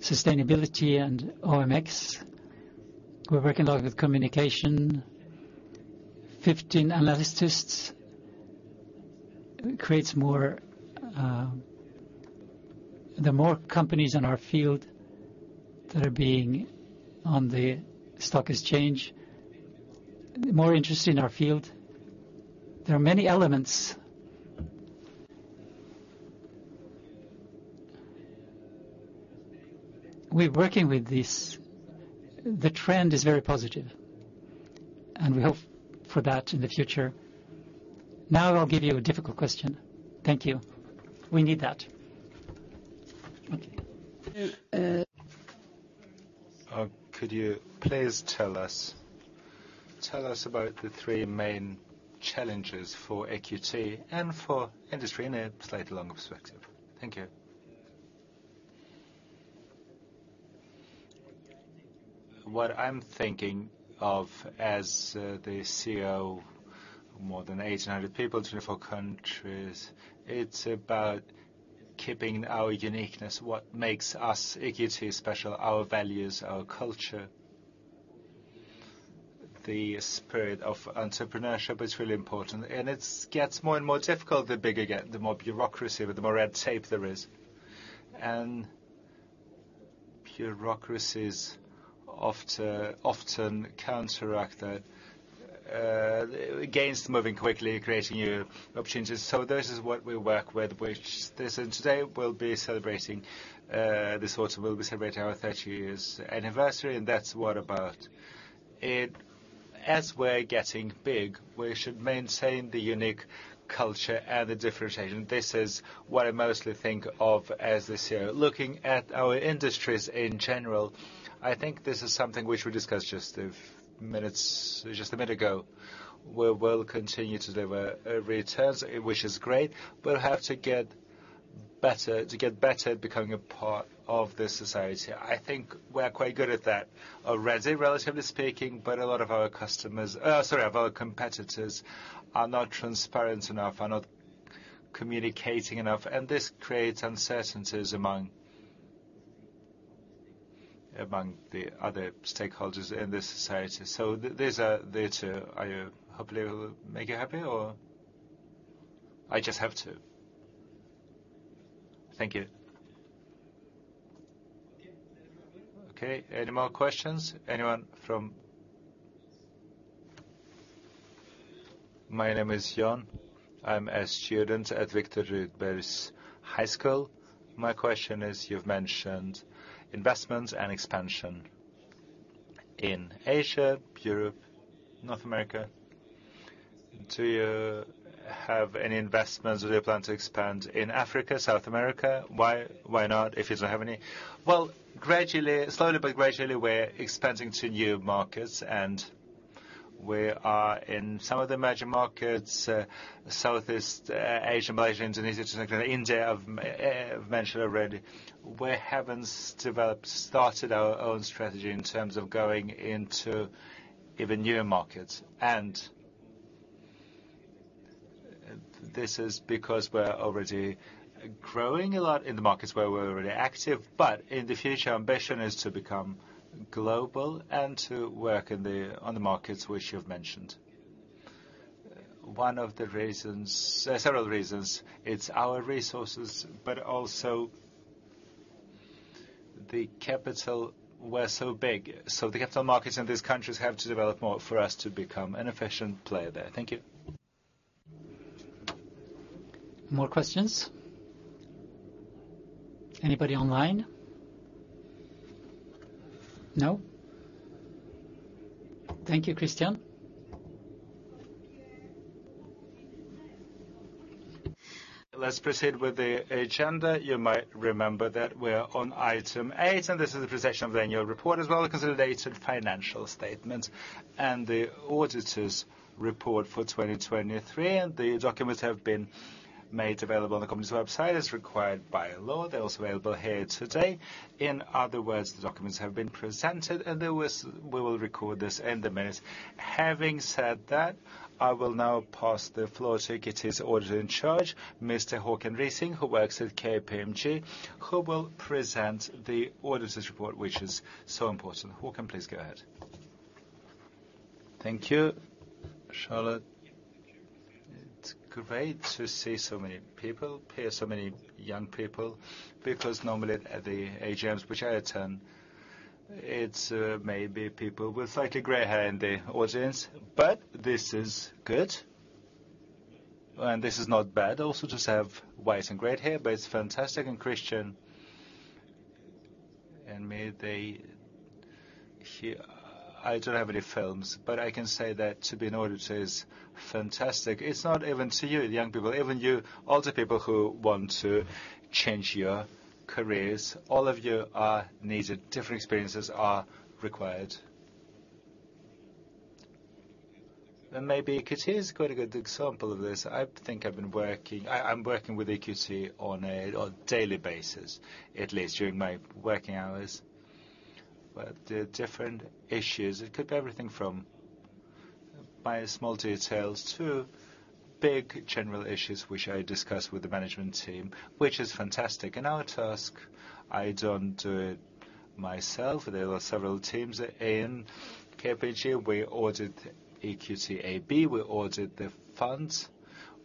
Sustainability and OMX, we're working a lot with communication. Fifteen analysts creates more. The more companies in our field that are being on the stock exchange, the more interest in our field. There are many elements. We're working with this. The trend is very positive, and we hope for that in the future. Now, I'll give you a difficult question. Thank you. We need that. Okay. Could you please tell us about the three main challenges for EQT and for industry in a slightly longer perspective? Thank you. What I'm thinking of as the CEO, more than eighteen hundred people, twenty-four countries, it's about keeping our uniqueness. What makes us, EQT, special, our values, our culture. The spirit of entrepreneurship is really important, and it gets more and more difficult the bigger you get, the more bureaucracy, the more red tape there is. Bureaucracies often counteract against moving quickly, creating new opportunities. This is what we work with, and today, we'll be celebrating this quarter, we'll be celebrating our thirty years anniversary, and that's what it's about. As we're getting big, we should maintain the unique culture and the differentiation. This is what I mostly think of as the CEO. Looking at our industries in general, I think this is something which we discussed just a few minutes, just a minute ago. We will continue to deliver returns, which is great, but we have to get better at becoming a part of this society. I think we're quite good at that already, relatively speaking, but a lot of our competitors are not transparent enough, are not communicating enough, and this creates uncertainties among the other stakeholders in this society. So these are the two. I hopefully will make you happy, or I just have to. Thank you. Okay, any more questions? Anyone from- My name is Yon. I'm a student at Viktor Rydberg's high school. My question is, you've mentioned investments and expansion in Asia, Europe, North America. Do you have any investments? Do you plan to expand in Africa, South America? Why? Why not, if you don't have any? Gradually, slowly but gradually, we're expanding to new markets, and we are in some of the emerging markets, Southeast Asia, Malaysia, Indonesia, India, I've mentioned already. We haven't developed, started our own strategy in terms of going into even newer markets, and this is because we're already growing a lot in the markets where we're already active. But in the future, our ambition is to become global and to work in the markets which you've mentioned. One of the reasons, several reasons, it's our resources, but also the capital were so big. The capital markets in these countries have to develop more for us to become an efficient player there. Thank you. More questions? Anybody online? No. Thank you, Christian. Let's proceed with the agenda. You might remember that we're on item eight, and this is the presentation of the annual report, as well as the consolidated financial statement and the auditor's report for 2023. The documents have been made available on the company's website, as required by law. They're also available here today. In other words, the documents have been presented, and there was... We will record this in the minutes. Having said that, I will now pass the floor to EQT's auditor in charge, Mr. Håkan Reising, who works with KPMG, who will present the auditor's report, which is so important. Håkan, please go ahead. Thank you, Charlotte. Great to see so many people, hear so many young people, because normally at the AGMs which I attend, it's maybe people with slightly gray hair in the audience. But this is good, and this is not bad also, to have white and gray hair, but it's fantastic, and Christian and may they... I don't have any films, but I can say that to be in order audit is fantastic. It's not even to you, young people, even you older people who want to change your careers, all of you are needed. Different experiences are required. And maybe EQT is quite a good example of this. I think I've been working... I'm working with EQT on a daily basis, at least during my working hours. But the different issues, it could be everything from small details to big general issues, which I discuss with the management team, which is fantastic. In our task, I don't do it myself. There are several teams in KPMG. We audit EQT AB, we audit the funds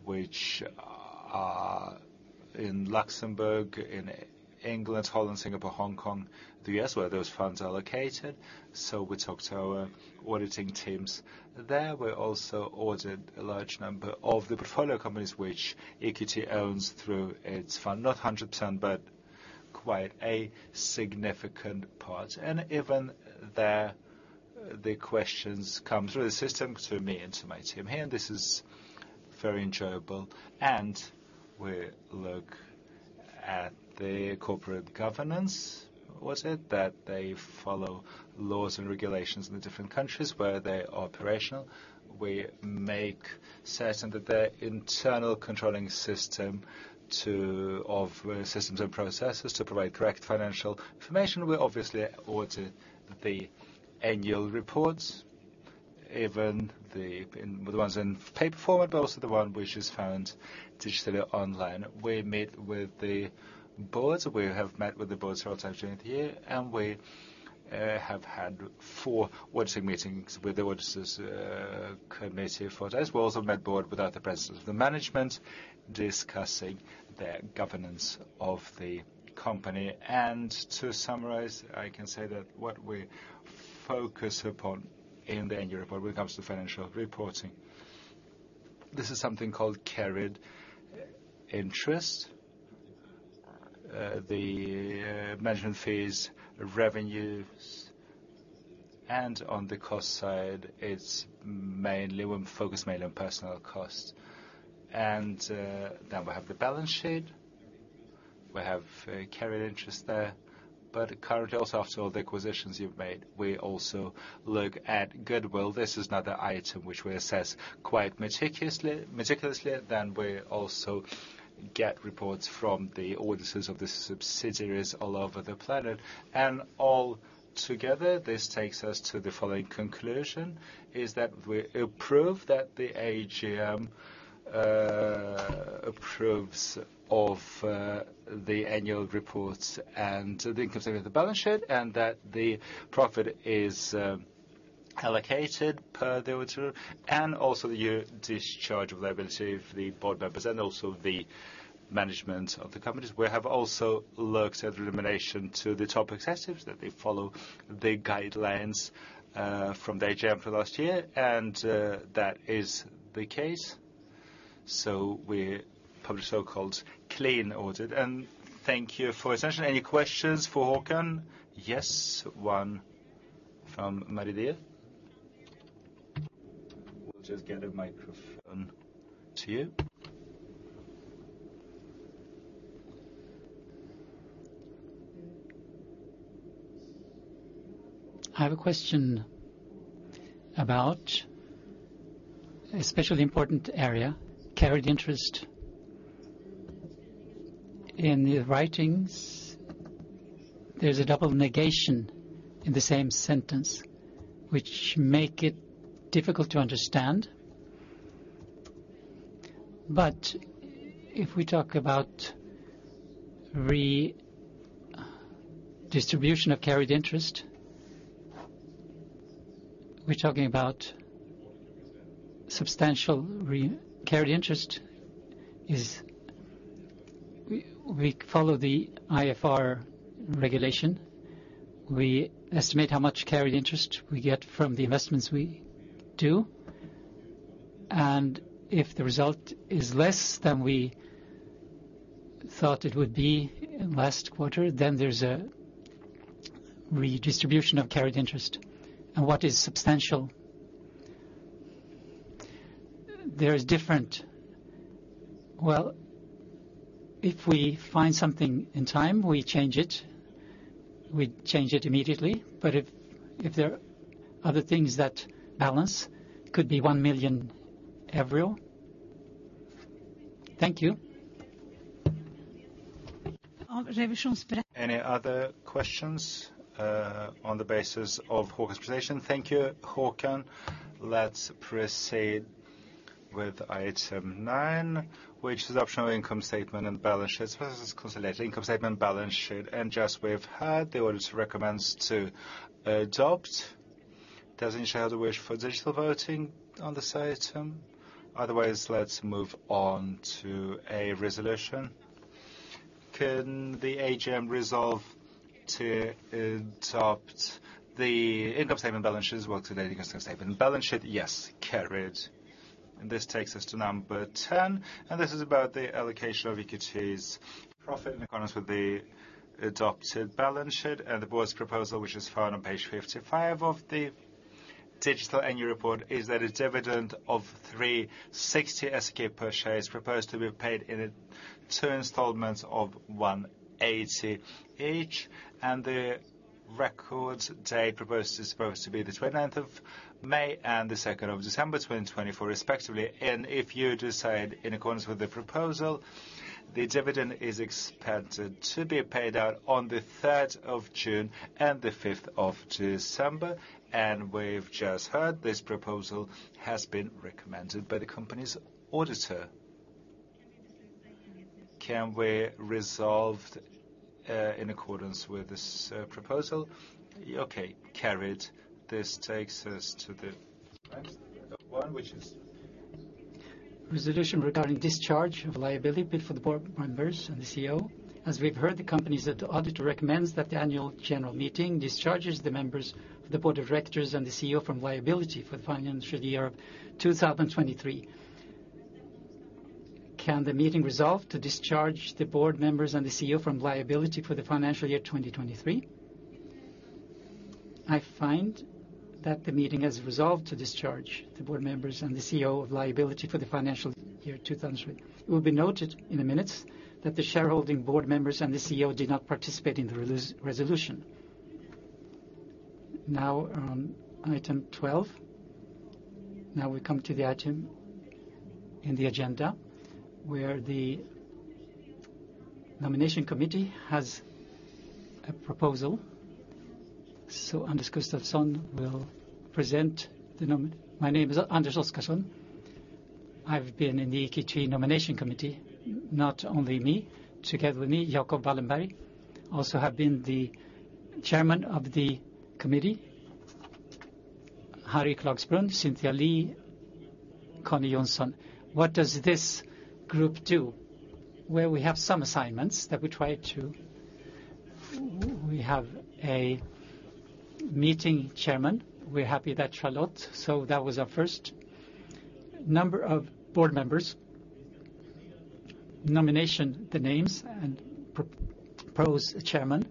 which are in Luxembourg, in England, Holland, Singapore, Hong Kong, the U.S., where those funds are located. So we talk to our auditing teams there. We also audit a large number of the portfolio companies which EQT owns through its fund, not 100%, but quite a significant part. Even there, the questions come through the system, to me and to my team here, and this is very enjoyable. We look at the corporate governance, that they follow laws and regulations in the different countries where they are operational. We make certain that their internal controlling systems and processes provide correct financial information. We obviously audit the annual reports, even the ones in paper format, but also the one which is found digitally online. We meet with the boards. We have met with the boards several times during the year, and we have had four auditing meetings with the auditors committee for that. We also met board without the presence of the management, discussing the governance of the company. To summarize, I can say that what we focus upon in the annual report when it comes to financial reporting, this is something called carried interest. The management fees, revenues, and on the cost side, we're focused mainly on personal costs. Then we have the balance sheet. We have carried interest there, but currently also, after all the acquisitions you've made, we also look at goodwill. This is another item which we assess quite meticulously. Then we also get reports from the auditors of the subsidiaries all over the planet. All together, this takes us to the following conclusion, is that we approve that the AGM approves of the annual reports and the concerning with the balance sheet, and that the profit is allocated per the auditor, and also the year discharge of liability of the board members and also the management of the companies. We have also looked at elimination to the top excesses, that they follow the guidelines from the AGM for last year, and that is the case. So we publish so-called clean audit, and thank you for your attention. Any questions for Håkan? Yes, one from Maridia. We'll just get a microphone to you. I have a question about an especially important area, carried interest. In the writings, there's a double negation in the same sentence, which makes it difficult to understand. But if we talk about redistribution of carried interest, we're talking about substantial redistribution. Carried interest is we follow the IFRS regulation. We estimate how much carried interest we get from the investments we do, and if the result is less than we thought it would be in last quarter, then there's a redistribution of carried interest. And what is substantial? There are different... if we find something in time, we change it. We change it immediately. But if there are other things that balance, it could be $1 million. Thank you. Any other questions on the basis of Håkan's presentation? Thank you, Håkan. Let's proceed with item nine, which is optional income statement and balance sheet. First is consolidated income statement, balance sheet. And just we've heard, the audit recommends to adopt... Does any shareholder wish for digital voting on this item? Otherwise, let's move on to a resolution. Can the AGM resolve to adopt the income statement balance sheet as well today income statement balance sheet? Yes, carried. This takes us to number ten, and this is about the allocation of IKT's profit in accordance with the adopted balance sheet. The board's proposal, which is found on page fifty-five of the digital annual report, is that a dividend of 360 SEK per share is proposed to be paid in two installments of 180 each, and the record dates proposed are the twenty-ninth of May and the second of December, 2024, respectively. If you decide in accordance with the proposal, the dividend is expected to be paid out on the third of June and the fifth of December. We've just heard this proposal has been recommended by the company's auditor. Can we resolve in accordance with this proposal? Okay, carried. This takes us to the next one, which is? Resolution regarding discharge of liability for the board members and the CEO. As we've heard, the company's auditor recommends that the annual general meeting discharges the members of the board of directors and the CEO from liability for the financial year 2023. Can the meeting resolve to discharge the board members and the CEO from liability for the financial year 2023? I find that the meeting has resolved to discharge the board members and the CEO of liability for the financial year 2023. It will be noted in the minutes that the shareholding board members and the CEO did not participate in the resolution. Now, on item twelve. Now we come to the item in the agenda, where the nomination committee has a proposal. Anders Oscarsson will present the nomination. My name is Anders Oscarsson. I've been in the IKT nomination committee, not only me. Together with me, Jacob Wallenberg, also have been the chairman of the committee, Harry Klagsbrun, Cynthia Lee, Conni Jonsson. What does this group do? We have some assignments that we try to... We have a meeting chairman. We're happy that Charlotte, so that was our first. Number of board members. Nomination the names and propose a chairman.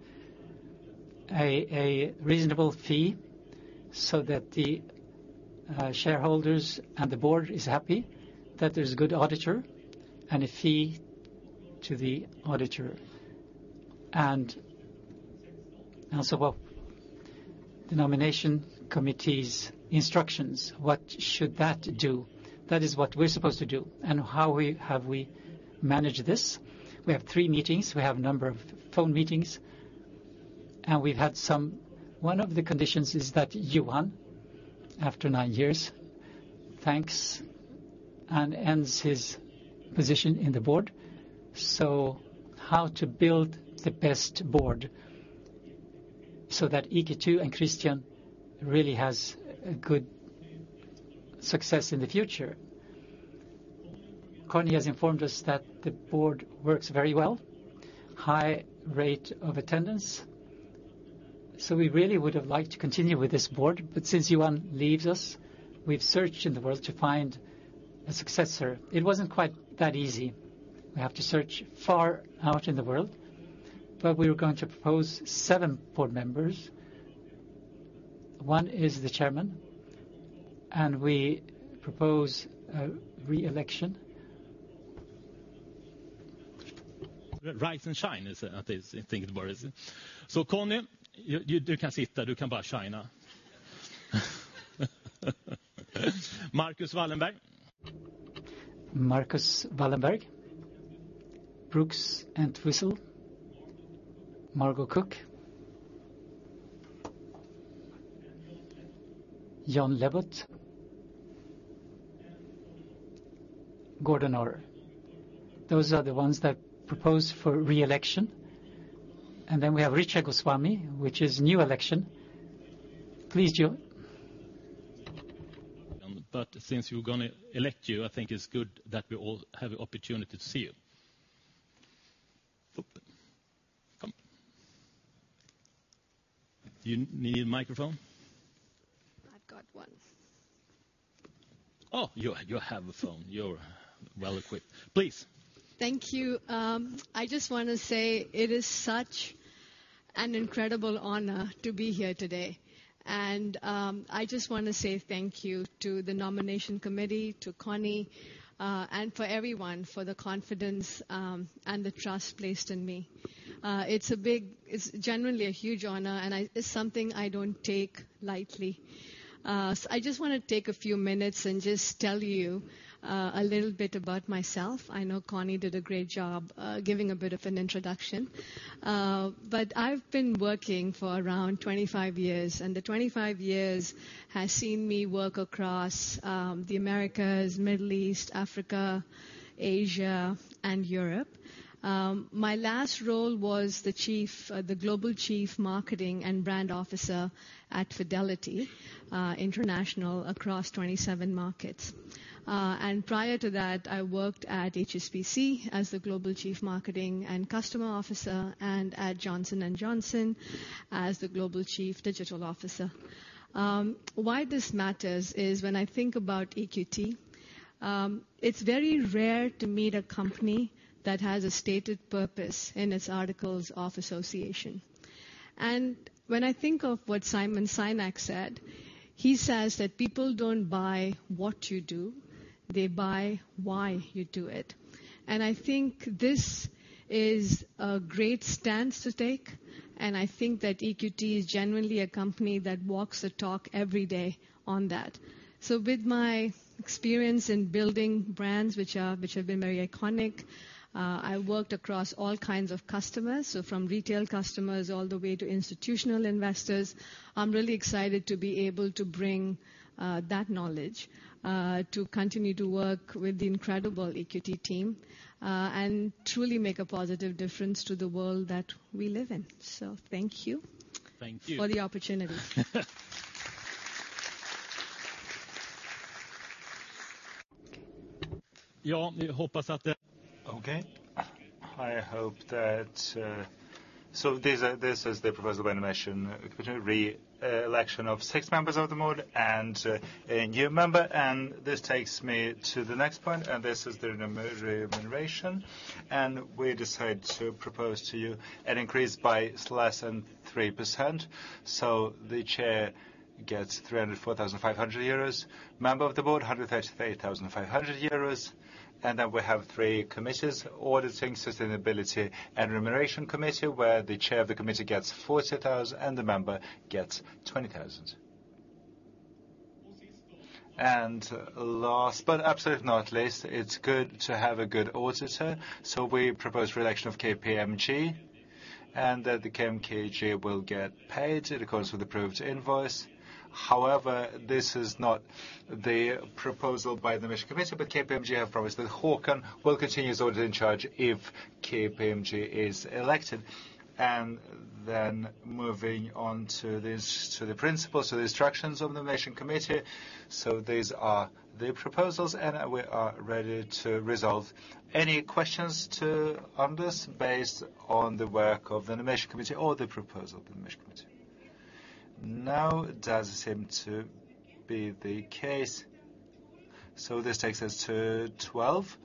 A reasonable fee, so that the shareholders and the board is happy that there's a good auditor and a fee to the auditor. And also, the nomination committee's instructions, what should that do? That is what we're supposed to do, and how have we managed this? We have three meetings, we have a number of phone meetings, and we've had some. One of the conditions is that Johan, after nine years, thanks, and ends his position in the board. So how to build the best board so that IKT and Christian really has a good success in the future? Conni has informed us that the board works very well, high rate of attendance, so we really would have liked to continue with this board. But since Johan leaves us, we've searched in the world to find a successor. It wasn't quite that easy. We have to search far out in the world, but we were going to propose seven board members. One is the Chairman, and we propose a re-election. Rise and shine, I think it was. So, Conni, you can sit there, you can shine. Marcus Wallenberg. Marcus Wallenberg, Brooks Entwistle, Margo Cook, Dion Lebret, Gordon Orr. Those are the ones that are proposed for re-election. And then we have Richa Goswami, which is a new election. Please join. But since we're going to elect you, I think it's good that we all have an opportunity to see you. Oh, come. Do you need a microphone? I've got one. Oh, you have a phone. You're well equipped. Please. Thank you. I just want to say it is such an incredible honor to be here today. I just want to say thank you to the nomination committee, to Conni, and for everyone, for the confidence and the trust placed in me. It's a big... It's generally a huge honor, and it's something I don't take lightly. I just want to take a few minutes and just tell you a little bit about myself. I know Conni did a great job giving a bit of an introduction, but I've been working for around twenty-five years, and the twenty-five years has seen me work across the Americas, Middle East, Africa, Asia, and Europe. My last role was the Chief, the Global Chief Marketing and Brand Officer at Fidelity International across twenty-seven markets. Prior to that, I worked at HSBC as the Global Chief Marketing and Customer Officer, and at Johnson & Johnson as the Global Chief Digital Officer. Why this matters is when I think about EQT, it's very rare to meet a company that has a stated purpose in its articles of association. When I think of what Simon Sinek said, he says that, "People don't buy what you do, they buy why you do it." I think this is a great stance to take, and I think that EQT is genuinely a company that walks the talk every day on that. So with my experience in building brands which have been very iconic, I worked across all kinds of customers, so from retail customers all the way to institutional investors. I'm really excited to be able to bring that knowledge to continue to work with the incredible EQT team and truly make a positive difference to the world that we live in. So thank you. Thank you. for the opportunity. I hope that these are the proposal by nomination, re-election of six members of the board and a new member, and this takes me to the next point, and this is the remuneration. We decide to propose to you an increase by less than 3%. The chair gets €304,500, member of the board, €133,500, and then we have three committees: auditing, sustainability, and remuneration committee, where the chair of the committee gets €40,000 and the member gets €20,000. Last, but absolutely not least, it's good to have a good auditor, so we propose reelection of KPMG, and that KPMG will get paid in accordance with approved invoice. However, this is not the proposal by the nomination committee, but KPMG have promised that Hakan will continue as audit in charge if KPMG is elected. Moving on to the principles, the instructions of the nomination committee. These are the proposals, and we are ready to resolve any questions on this, based on the work of the nomination committee or the proposal of the nomination committee. This takes us to twelve.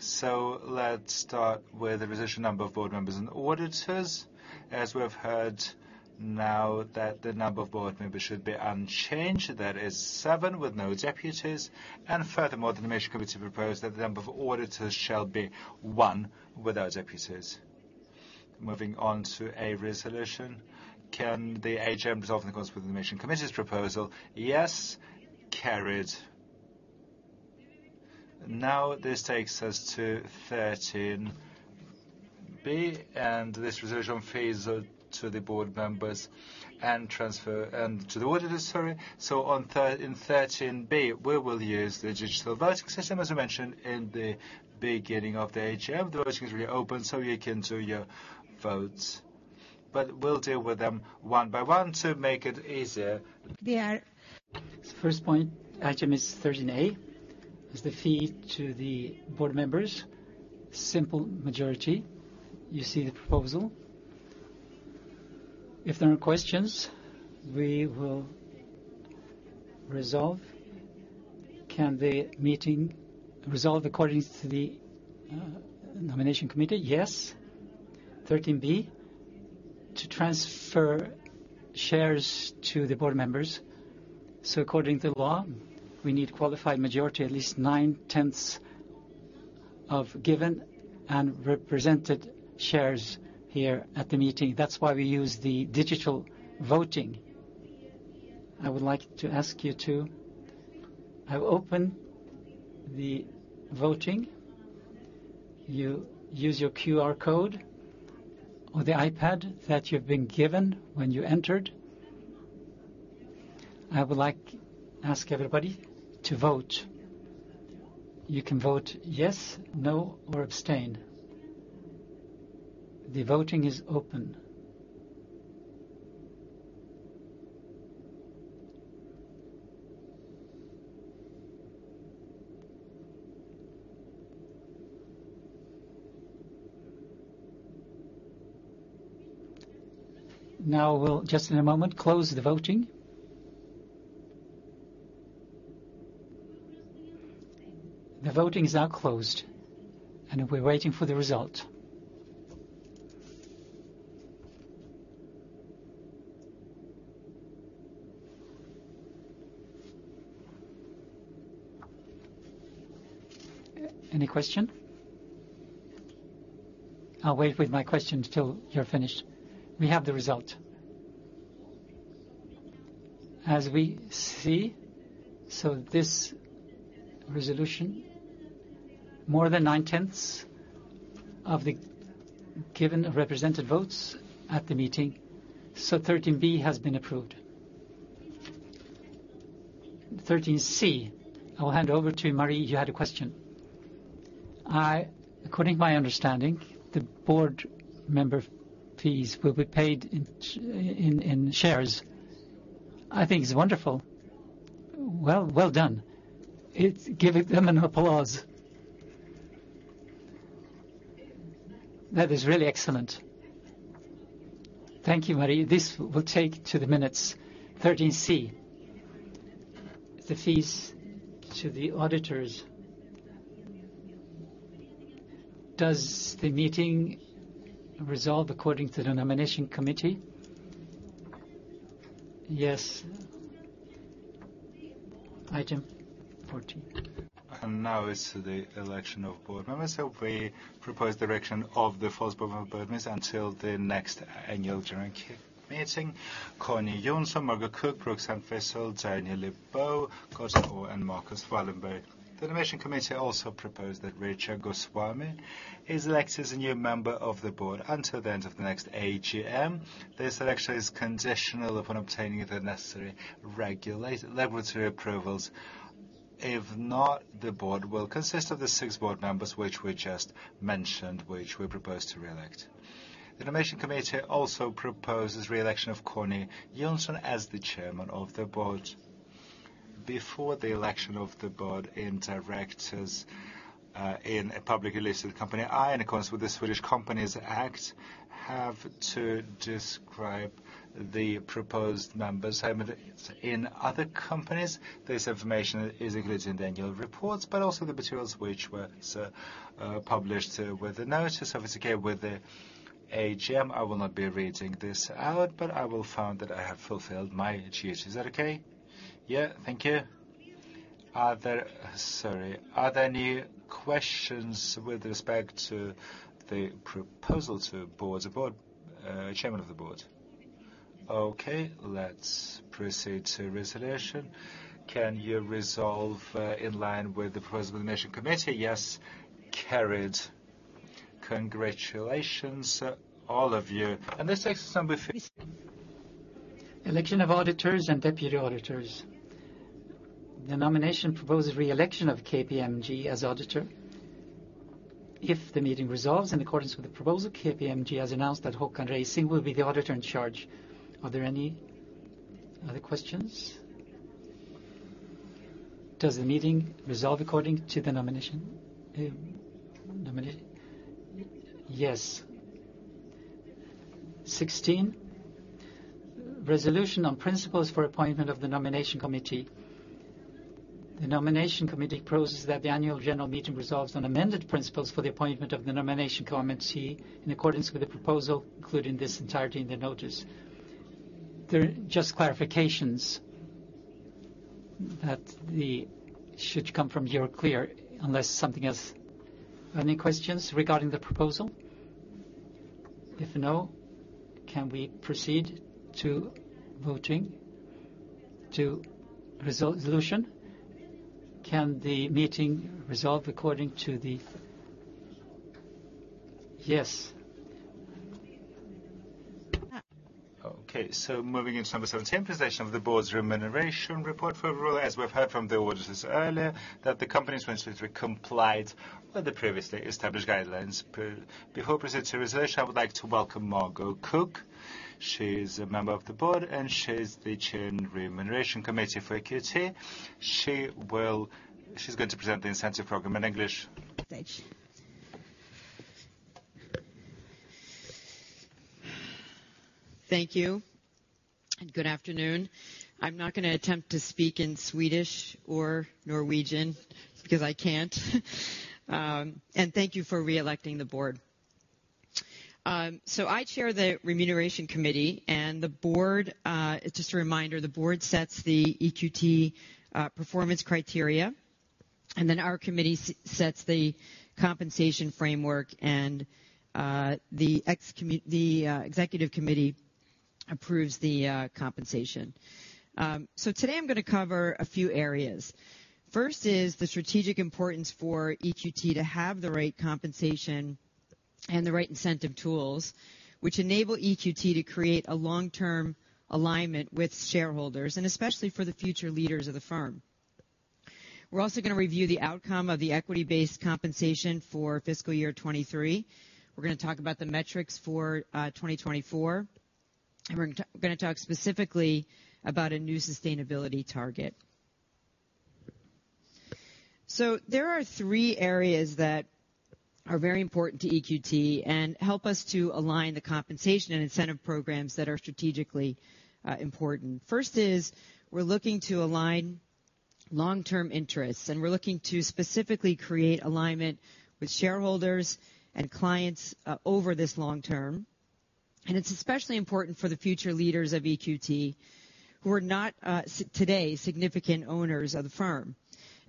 Let's start with the position number of board members and auditors. As we have heard now, the number of board members should be unchanged. That is seven, with no deputies. Furthermore, the nomination committee proposed that the number of auditors shall be one, without deputies. Moving on to a resolution. Can the AGM resolve in accordance with the nomination committee's proposal? Yes. Carried. Now, this takes us to thirteen B, and this resolution fees to the board members and transfer, and to the auditors, sorry. So on thirteen B, we will use the digital voting system, as I mentioned in the beginning of the AGM. The voting is really open, so you can do your votes, but we'll deal with them one by one to make it easier. They are... The first point, item is thirteen A, is the fee to the board members. Simple majority. You see the proposal. If there are questions, we will resolve. Can the meeting resolve according to the nomination committee? Yes. Thirteen B, to transfer shares to the board members. So according to law, we need qualified majority, at least nine-tenths of given and represented shares here at the meeting. That's why we use the digital voting. I would like to ask you to... I will open the voting. You use your QR code or the iPad that you've been given when you entered. I would like to ask everybody to vote. You can vote yes, no, or abstain. The voting is open. Now, we'll just in a moment close the voting. The voting is now closed, and we're waiting for the result. Any question? I'll wait with my question till you're finished. We have the result. As we see, this resolution, more than nine-tenths of the given represented votes at the meeting. Thirteen B has been approved. Thirteen C. I will hand over to Marie, you had a question. According to my understanding, the board member fees will be paid in shares. I think it's wonderful. Well done. Give them an applause. That is really excellent. Thank you, Marie. This will take to the minutes. Thirteen C, the fees to the auditors. Does the meeting resolve according to the nomination committee? Yes. Item fourteen. Now it's the election of board members. We propose the election of the four board members until the next annual general meeting: Conni Jonsson, Margo Cook, Brooks Entwistle, Daniel Lipow, Costa Roux, and Marcus Wallenberg. The nomination committee also proposed that Richa Goswami is elected as a new member of the board until the end of the next AGM. This election is conditional upon obtaining the necessary regulatory approvals. If not, the board will consist of the six board members, which we just mentioned, which we propose to reelect. The nomination committee also proposes reelection of Conni Jonsson as the chairman of the board. Before the election of the board and directors in a publicly listed company, I, in accordance with the Swedish Companies Act, have to describe the proposed members. Same as in other companies, this information is included in the annual reports, but also the materials which were published with the notice. Obviously, with the AGM, I will not be reading this out, but I will find that I have fulfilled my duties. Is that okay? Yeah. Thank you. Are there any questions with respect to the proposal to board, the board, chairman of the board? Okay, let's proceed to resolution. Can you resolve in line with the proposal of the nomination committee? Yes. Carried. Congratulations, all of you. This takes us to number fifteen. Election of auditors and deputy auditors. The nomination proposes reelection of KPMG as auditor. If the meeting resolves in accordance with the proposal, KPMG has announced that Håkan Rysing will be the auditor in charge. Are there any other questions? Does the meeting resolve according to the nomination? Yes. Sixteen, resolution on principles for appointment of the nomination committee. The nomination committee proposes that the annual general meeting resolves on amended principles for the appointment of the nomination committee in accordance with the proposal included in its entirety in the notice. There are just clarifications that should come from you clearly unless something else. Any questions regarding the proposal? If no, can we proceed to voting, to resolve resolution? Can the meeting resolve according to the proposal? Yes. Moving into number seventeen, position of the board's remuneration report for overall. As we've heard from the auditors earlier, the company's in Swedish complied with the previously established guidelines. Before present to resolution, I would like to welcome Margo Cook. She's a member of the board, and she's the chair in Remuneration Committee for EQT. She's going to present the incentive program in English. Thanks. Thank you, and good afternoon. I'm not going to attempt to speak in Swedish or Norwegian, because I can't. And thank you for reelecting the board. So I chair the Remuneration Committee and the board. Just a reminder, the board sets the EQT performance criteria, and then our committee sets the compensation framework, and the executive committee approves the compensation. So today I'm going to cover a few areas. First is the strategic importance for EQT to have the right compensation and the right incentive tools, which enable EQT to create a long-term alignment with shareholders, and especially for the future leaders of the firm. We're also going to review the outcome of the equity-based compensation for fiscal year 2023. We're going to talk about the metrics for 2024, and we're going to talk specifically about a new sustainability target. So there are three areas that are very important to EQT and help us to align the compensation and incentive programs that are strategically important. First is, we're looking to align long-term interests, and we're looking to specifically create alignment with shareholders and clients over this long term. It's especially important for the future leaders of EQT who are not today significant owners of the firm.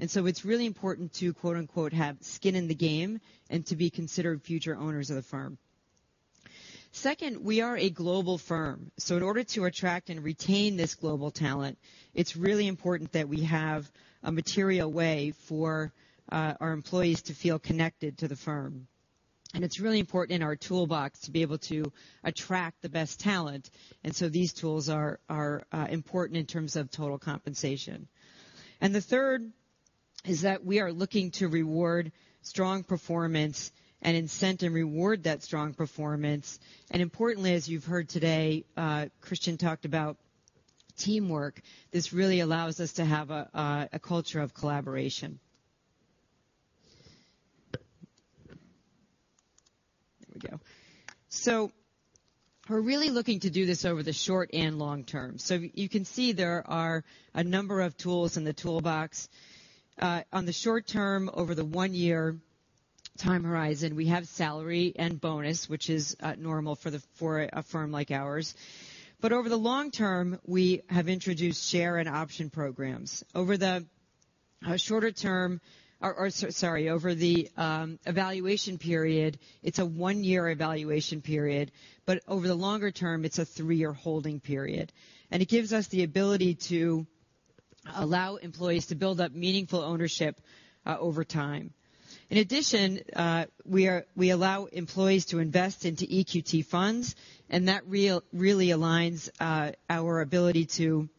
So it's really important to, quote, unquote, "have skin in the game" and to be considered future owners of the firm. Second, we are a global firm, so in order to attract and retain this global talent, it's really important that we have a material way for our employees to feel connected to the firm. It's really important in our toolbox to be able to attract the best talent, and so these tools are important in terms of total compensation. The third is that we are looking to reward strong performance and incent and reward that strong performance. Importantly, as you've heard today, Christian talked about teamwork. This really allows us to have a culture of collaboration. There we go. So we're really looking to do this over the short and long term. You can see there are a number of tools in the toolbox. On the short term, over the one-year time horizon, we have salary and bonus, which is normal for a firm like ours. But over the long term, we have introduced share and option programs. Over the shorter term or, sorry, over the evaluation period, it's a one-year evaluation period, but over the longer term, it's a three-year holding period. It gives us the ability to allow employees to build up meaningful ownership over time. In addition, we allow employees to invest into EQT funds, and that really aligns our ability to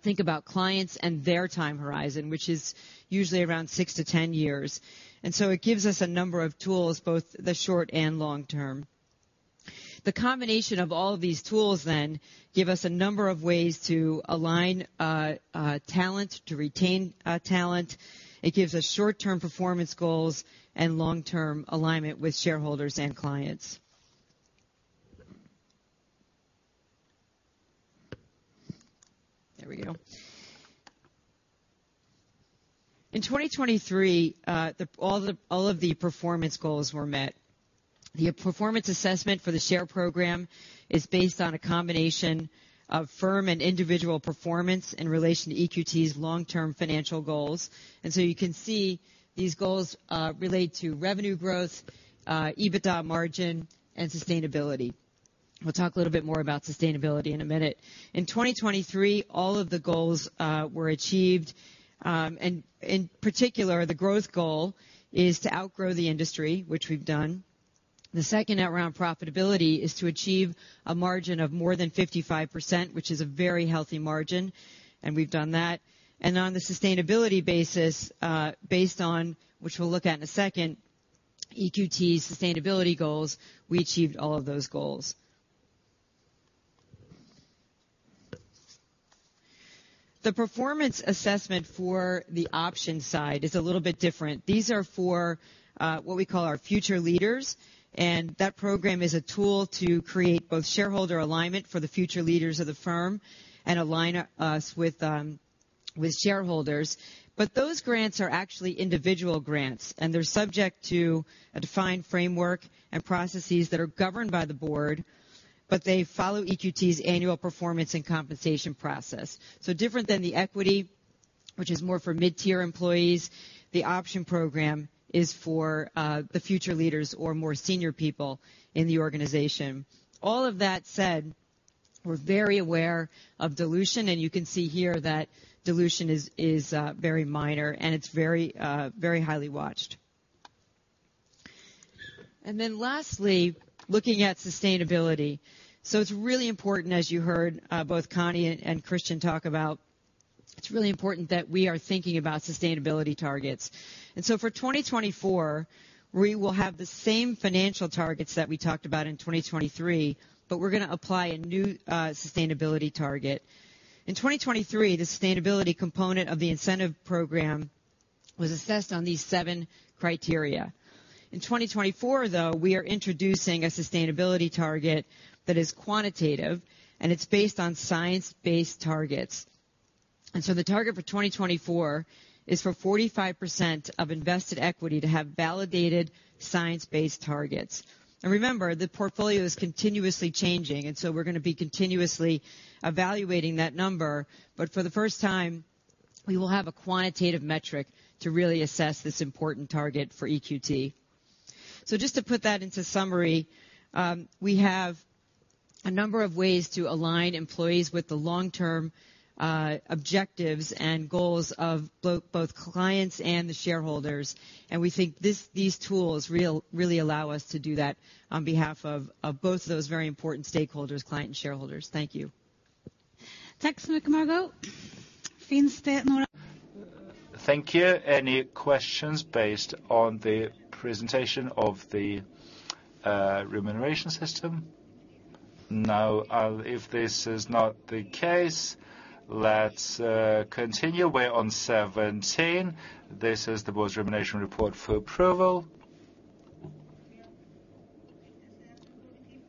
think about clients and their time horizon, which is usually around six to ten years. It gives us a number of tools, both the short and long term. The combination of all of these tools then give us a number of ways to align talent, to retain talent. It gives us short-term performance goals and long-term alignment with shareholders and clients. There we go. In 2023, the... All of the performance goals were met. The performance assessment for the share program is based on a combination of firm and individual performance in relation to EQT's long-term financial goals, and so you can see these goals relate to revenue growth, EBITDA margin, and sustainability. We'll talk a little bit more about sustainability in a minute. In 2023, all of the goals were achieved, and in particular, the growth goal is to outgrow the industry, which we've done. The second around profitability is to achieve a margin of more than 55%, which is a very healthy margin, and we've done that. And on the sustainability basis, based on which we'll look at in a second, EQT's sustainability goals, we achieved all of those goals. The performance assessment for the option side is a little bit different. These are for what we call our future leaders, and that program is a tool to create both shareholder alignment for the future leaders of the firm and align us with shareholders. But those grants are actually individual grants, and they're subject to a defined framework and processes that are governed by the board, but they follow EQT's annual performance and compensation process. So different than the equity, which is more for mid-tier employees, the option program is for the future leaders or more senior people in the organization. All of that said, we're very aware of dilution, and you can see here that dilution is very minor, and it's very highly watched. And then lastly, looking at sustainability. It's really important, as you heard, both Conni and Christian talk about, it's really important that we are thinking about sustainability targets. For 2024, we will have the same financial targets that we talked about in 2023, but we're going to apply a new sustainability target. In 2023, the sustainability component of the incentive program was assessed on these seven criteria. In 2024, though, we are introducing a sustainability target that is quantitative, and it's based on science-based targets. The target for 2024 is for 45% of invested equity to have validated science-based targets. Remember, the portfolio is continuously changing, and we're going to be continuously evaluating that number, but for the first time, we will have a quantitative metric to really assess this important target for EQT. Just to put that into summary, we have a number of ways to align employees with the long-term objectives and goals of both clients and the shareholders, and we think these tools really allow us to do that on behalf of both of those very important stakeholders, client and shareholders. Thank you. Thank you. Any questions based on the presentation of the remuneration system? Now, if this is not the case, let's continue. We're on seventeen. This is the board's remuneration report for approval.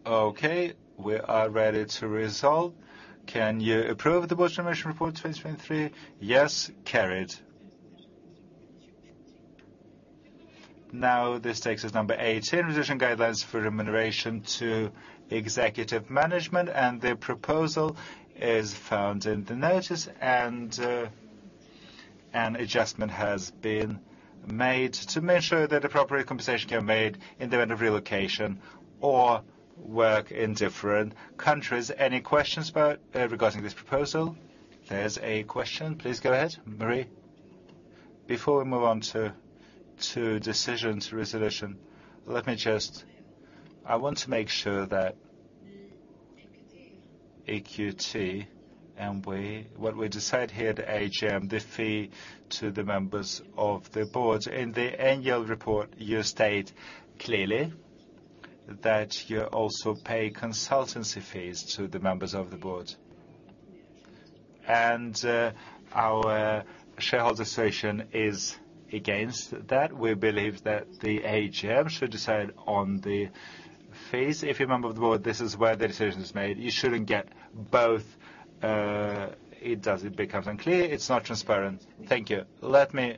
Okay, we are ready to resolve. Can you approve the board's remuneration report 2023? Yes, carried. Now, this takes us to number eighteen, position guidelines for remuneration to executive management, and the proposal is found in the notice, and an adjustment has been made to make sure that appropriate conversations are made in the event of relocation or work in different countries. Any questions regarding this proposal? There's a question. Please go ahead, Marie. Before we move on to decisions resolution, let me just—I want to make sure that EQT and we, what we decide here at AGM, the fee to the members of the board. In the annual report, you state clearly that you also pay consultancy fees to the members of the board. Our shareholder association is against that. We believe that the AGM should decide on the fees. If you're a member of the board, this is where the decision is made. You shouldn't get both. It doesn't become unclear, it's not transparent. Thank you. Let me...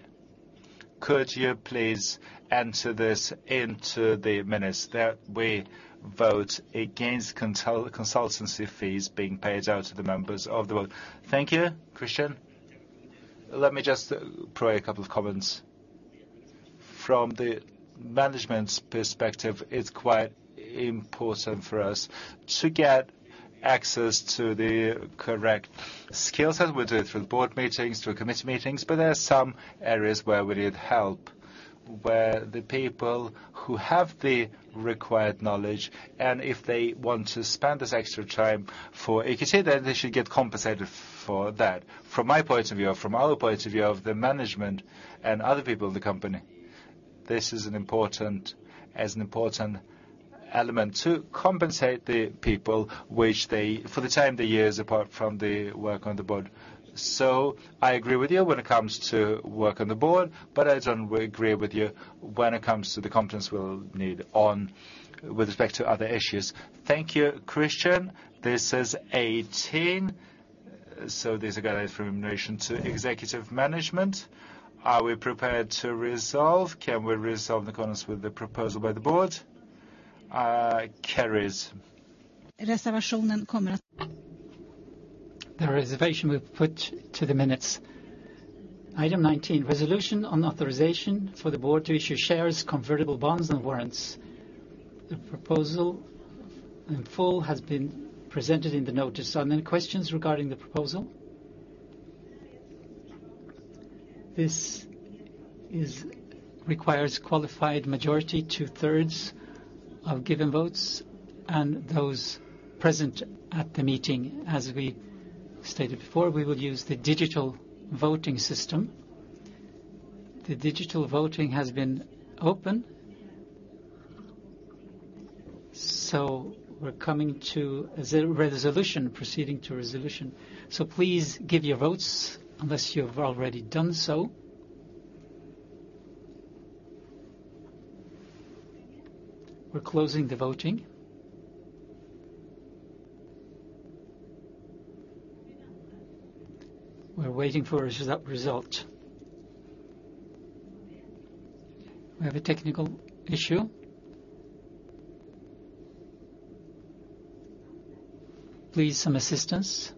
Could you please enter this into the minutes, that we vote against consultancy fees being paid out to the members of the board? Thank you, Christian. Let me just provide a couple of comments. From the management's perspective, it's quite important for us to get access to the correct skill set. We do it through board meetings, through committee meetings, but there are some areas where we need help, where the people who have the required knowledge, and if they want to spend this extra time for AQT, then they should get compensated for that. From my point of view, or from other points of view of the management and other people in the company, this is important, as an important element to compensate the people for the time they use apart from the work on the board. I agree with you when it comes to work on the board, but I don't agree with you when it comes to the competence we'll need with respect to other issues. Thank you, Christian. This is eighteen, so these are guidelines for remuneration to executive management. Are we prepared to resolve? Can we resolve the comments with the proposal by the board? Carries. The reservation we've put to the minutes. Item nineteen, resolution on authorization for the board to issue shares, convertible bonds, and warrants. The proposal in full has been presented in the notice. Any questions regarding the proposal? This requires qualified majority, two-thirds of given votes and those present at the meeting. As we stated before, we will use the digital voting system. The digital voting has been open. We're coming to a resolution, proceeding to resolution. Please give your votes unless you've already done so. We're closing the voting. We're waiting for a result. We have a technical issue. Please, some assistance.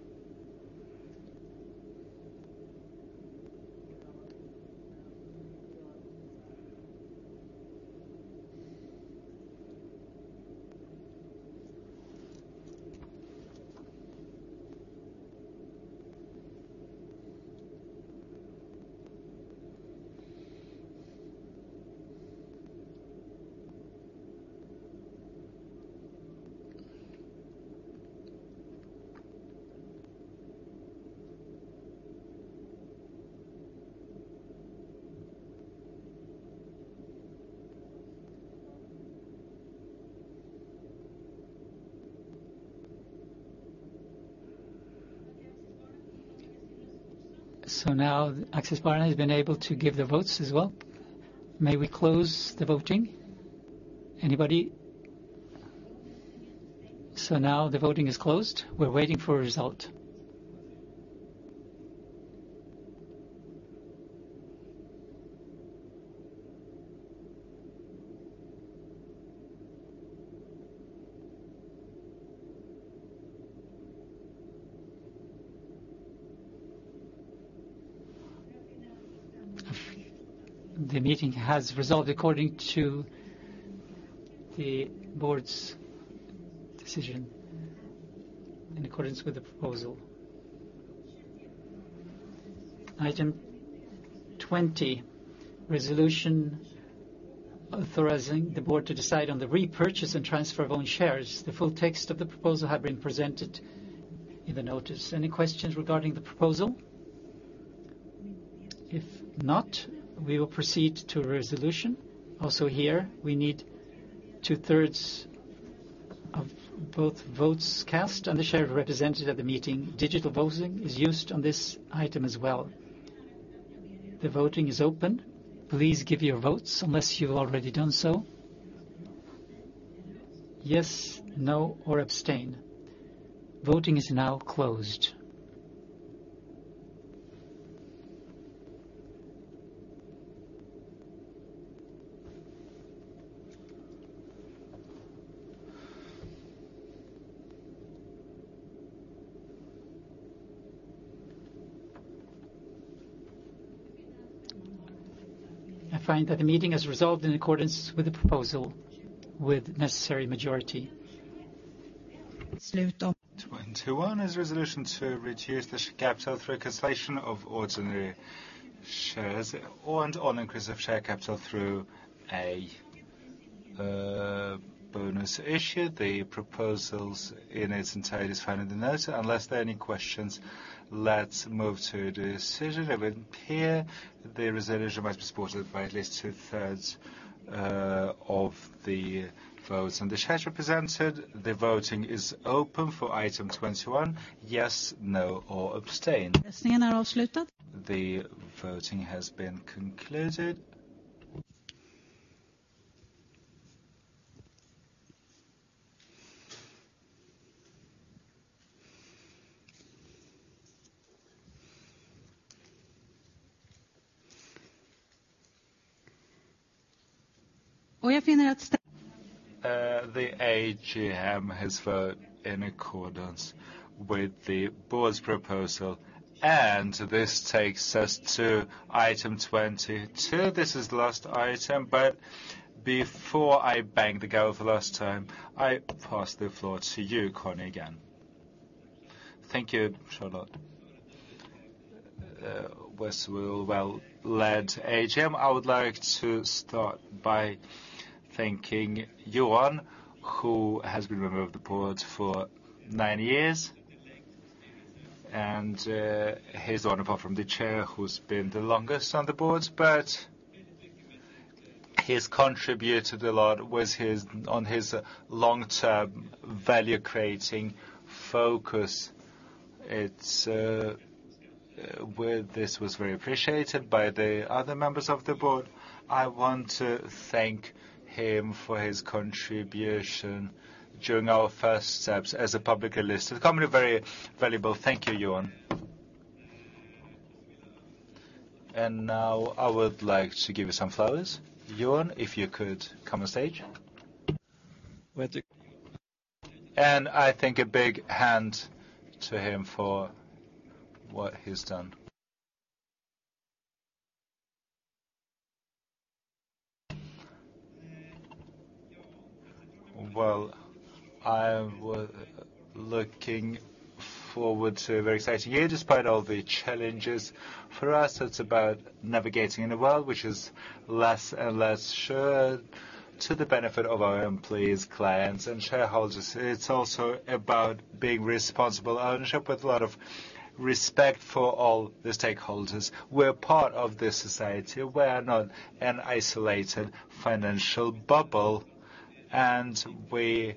Now Axis Bar has been able to give the votes as well. May we close the voting? Anybody? Now the voting is closed. We're waiting for a result. The meeting has resolved according to the board's decision, in accordance with the proposal. Item twenty, resolution authorizing the board to decide on the repurchase and transfer of own shares. The full text of the proposal had been presented in the notice. Any questions regarding the proposal? If not, we will proceed to a resolution. Also here, we need two-thirds of both votes cast and the share represented at the meeting. Digital voting is used on this item as well. The voting is open. Please give your votes unless you've already done so. Yes, no, or abstain. Voting is now closed. I find that the meeting has resolved in accordance with the proposal, with necessary majority. Twenty-one is resolution to reduce the capital through cancellation of ordinary shares, and on increase of share capital through a bonus issue. The proposal in its entirety is found in the notes. Unless there are any questions, let's move to decision. Over here, the resolution must be supported by at least two-thirds of the votes and the shares represented. The voting is open for item twenty-one. Yes, no, or abstain. The voting has been concluded. The AGM has voted in accordance with the board's proposal, and this takes us to item twenty-two. This is the last item, but before I bang the gavel for the last time, I pass the floor to you, Conni, again. Thank you, Charlotte. Well-led AGM. I would like to start by thanking Johan, who has been a member of the board for nine years, and he's the one, apart from the chair, who's been the longest on the board. But he's contributed a lot with his long-term value creating focus. This was very appreciated by the other members of the board. I want to thank him for his contribution during our first steps as a publicly listed company. Very valuable. Thank you, Johan. And now I would like to give you some flowers. Johan, if you could come on stage with the... And I think a big hand to him for what he's done. Well, I am looking forward to a very exciting year, despite all the challenges. For us, it's about navigating in a world which is less and less sure to the benefit of our employees, clients, and shareholders. It's also about being responsible ownership with a lot of respect for all the stakeholders. We're part of this society. We're not an isolated financial bubble, and we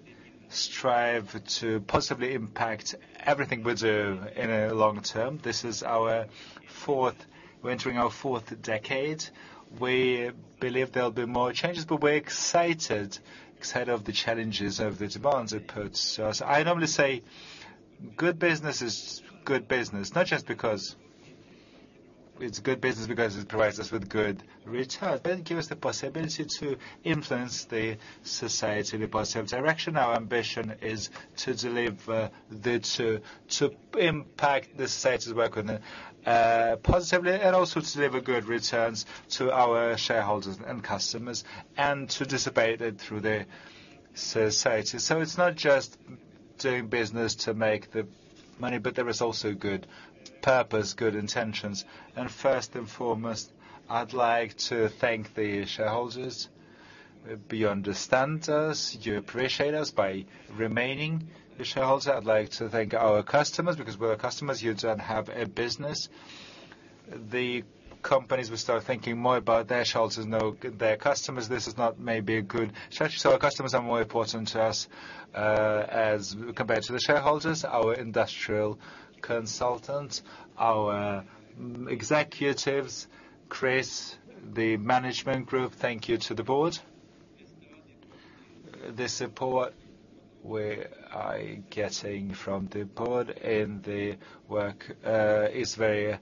strive to positively impact everything we do in the long term. This is our fourth... We're entering our fourth decade. We believe there'll be more changes, but we're excited, excited of the challenges and the demands it puts on us. I normally say good business is good business, not just because it's good business, because it provides us with good return, but it gives us the possibility to influence the society in a positive direction. Our ambition is to deliver the, to impact the society we work in positively, and also to deliver good returns to our shareholders and customers, and to dissipate it through the society. So it's not just doing business to make the money, but there is also good purpose, good intentions. First and foremost, I'd like to thank the shareholders. You understand us, you appreciate us by remaining the shareholders. I'd like to thank our customers, because without customers you don't have a business. The companies will start thinking more about their shareholders than of their customers, this is not maybe a good strategy. So our customers are more important to us, as compared to the shareholders, our industrial consultants, our executives, Chris, the management group. Thank you to the board. The support we are getting from the board and the work is very,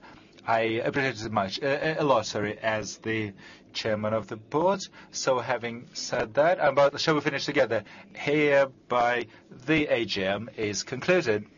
I appreciate it a lot, sorry, as the chairman of the board. So having said that, about... Shall we finish together? Hereby, the AGM is concluded.